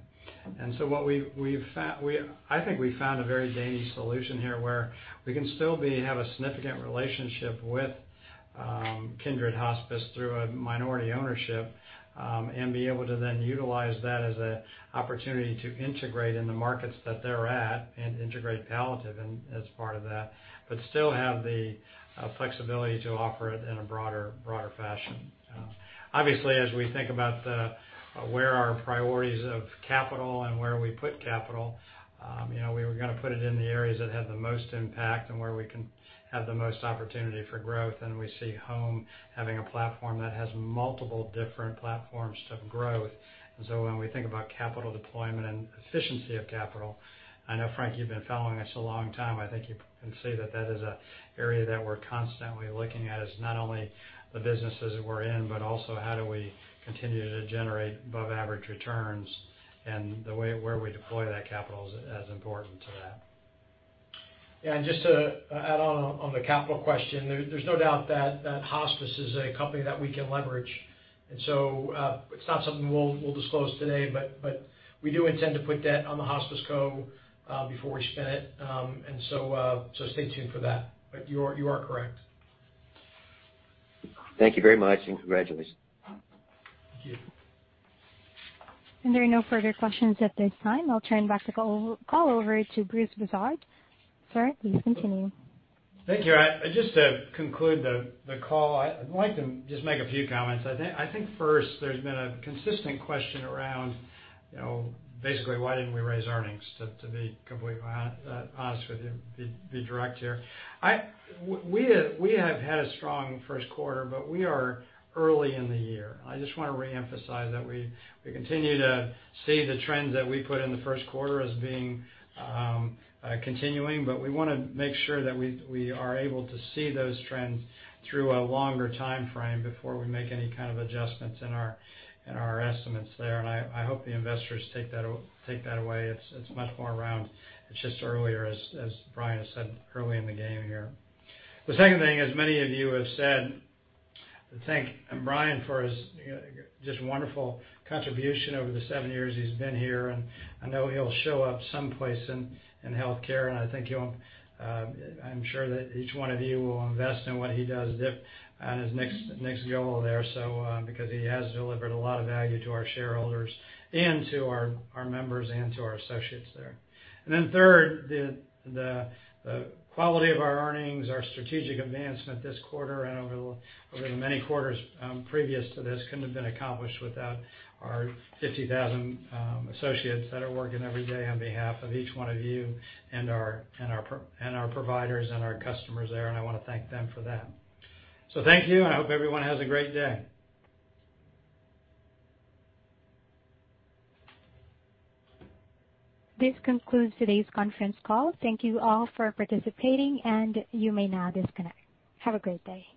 I think we found a very dainty solution here, where we can still have a significant relationship with Kindred Hospice through a minority ownership, and be able to then utilize that as an opportunity to integrate in the markets that they're at and integrate palliative and as part of that, but still have the flexibility to offer it in a broader fashion. Obviously, as we think about where our priorities of capital and where we put capital, we were going to put it in the areas that have the most impact and where we can have the most opportunity for growth. We see home having a platform that has multiple different platforms to grow. When we think about capital deployment and efficiency of capital, I know, Frank, you've been following us a long time. I think you can see that is an area that we're constantly looking at, is not only the businesses we're in, but also how do we continue to generate above-average returns? The way where we deploy that capital is as important to that. Just to add on the capital question, there's no doubt that hospice is a company that we can leverage. It's not something we'll disclose today, but we do intend to put debt on the hospice co before we spin it. Stay tuned for that. You are correct. Thank you very much, and congratulations. Thank you. There are no further questions at this time. I'll turn back the call over to Bruce Broussard. Sir, please continue. Thank you. Just to conclude the call, I'd like to just make a few comments. I think first, there's been a consistent question around, basically, why didn't we raise earnings, to be completely honest with you, be direct here. We have had a strong first quarter, but we are early in the year. I just want to reemphasize that we continue to see the trends that we put in the first quarter as continuing, but we want to make sure that we are able to see those trends through a longer timeframe before we make any kind of adjustments in our estimates there, and I hope the investors take that away. It's much more around, it's just earlier, as Brian has said, early in the game here. The second thing, as many of you have said, thank Brian for his just wonderful contribution over the seven years he's been here, and I know he'll show up someplace in healthcare, and I'm sure that each one of you will invest in what he does on his next goal there. He has delivered a lot of value to our shareholders and to our members and to our associates there. third, the quality of our earnings, our strategic advancement this quarter and over the many quarters previous to this, couldn't have been accomplished without our 50,000 associates that are working every day on behalf of each one of you and our providers and our customers there, and I want to thank them for that. Thank you, and I hope everyone has a great day. This concludes today's conference call. Thank you all for participating, and you may now disconnect. Have a great day.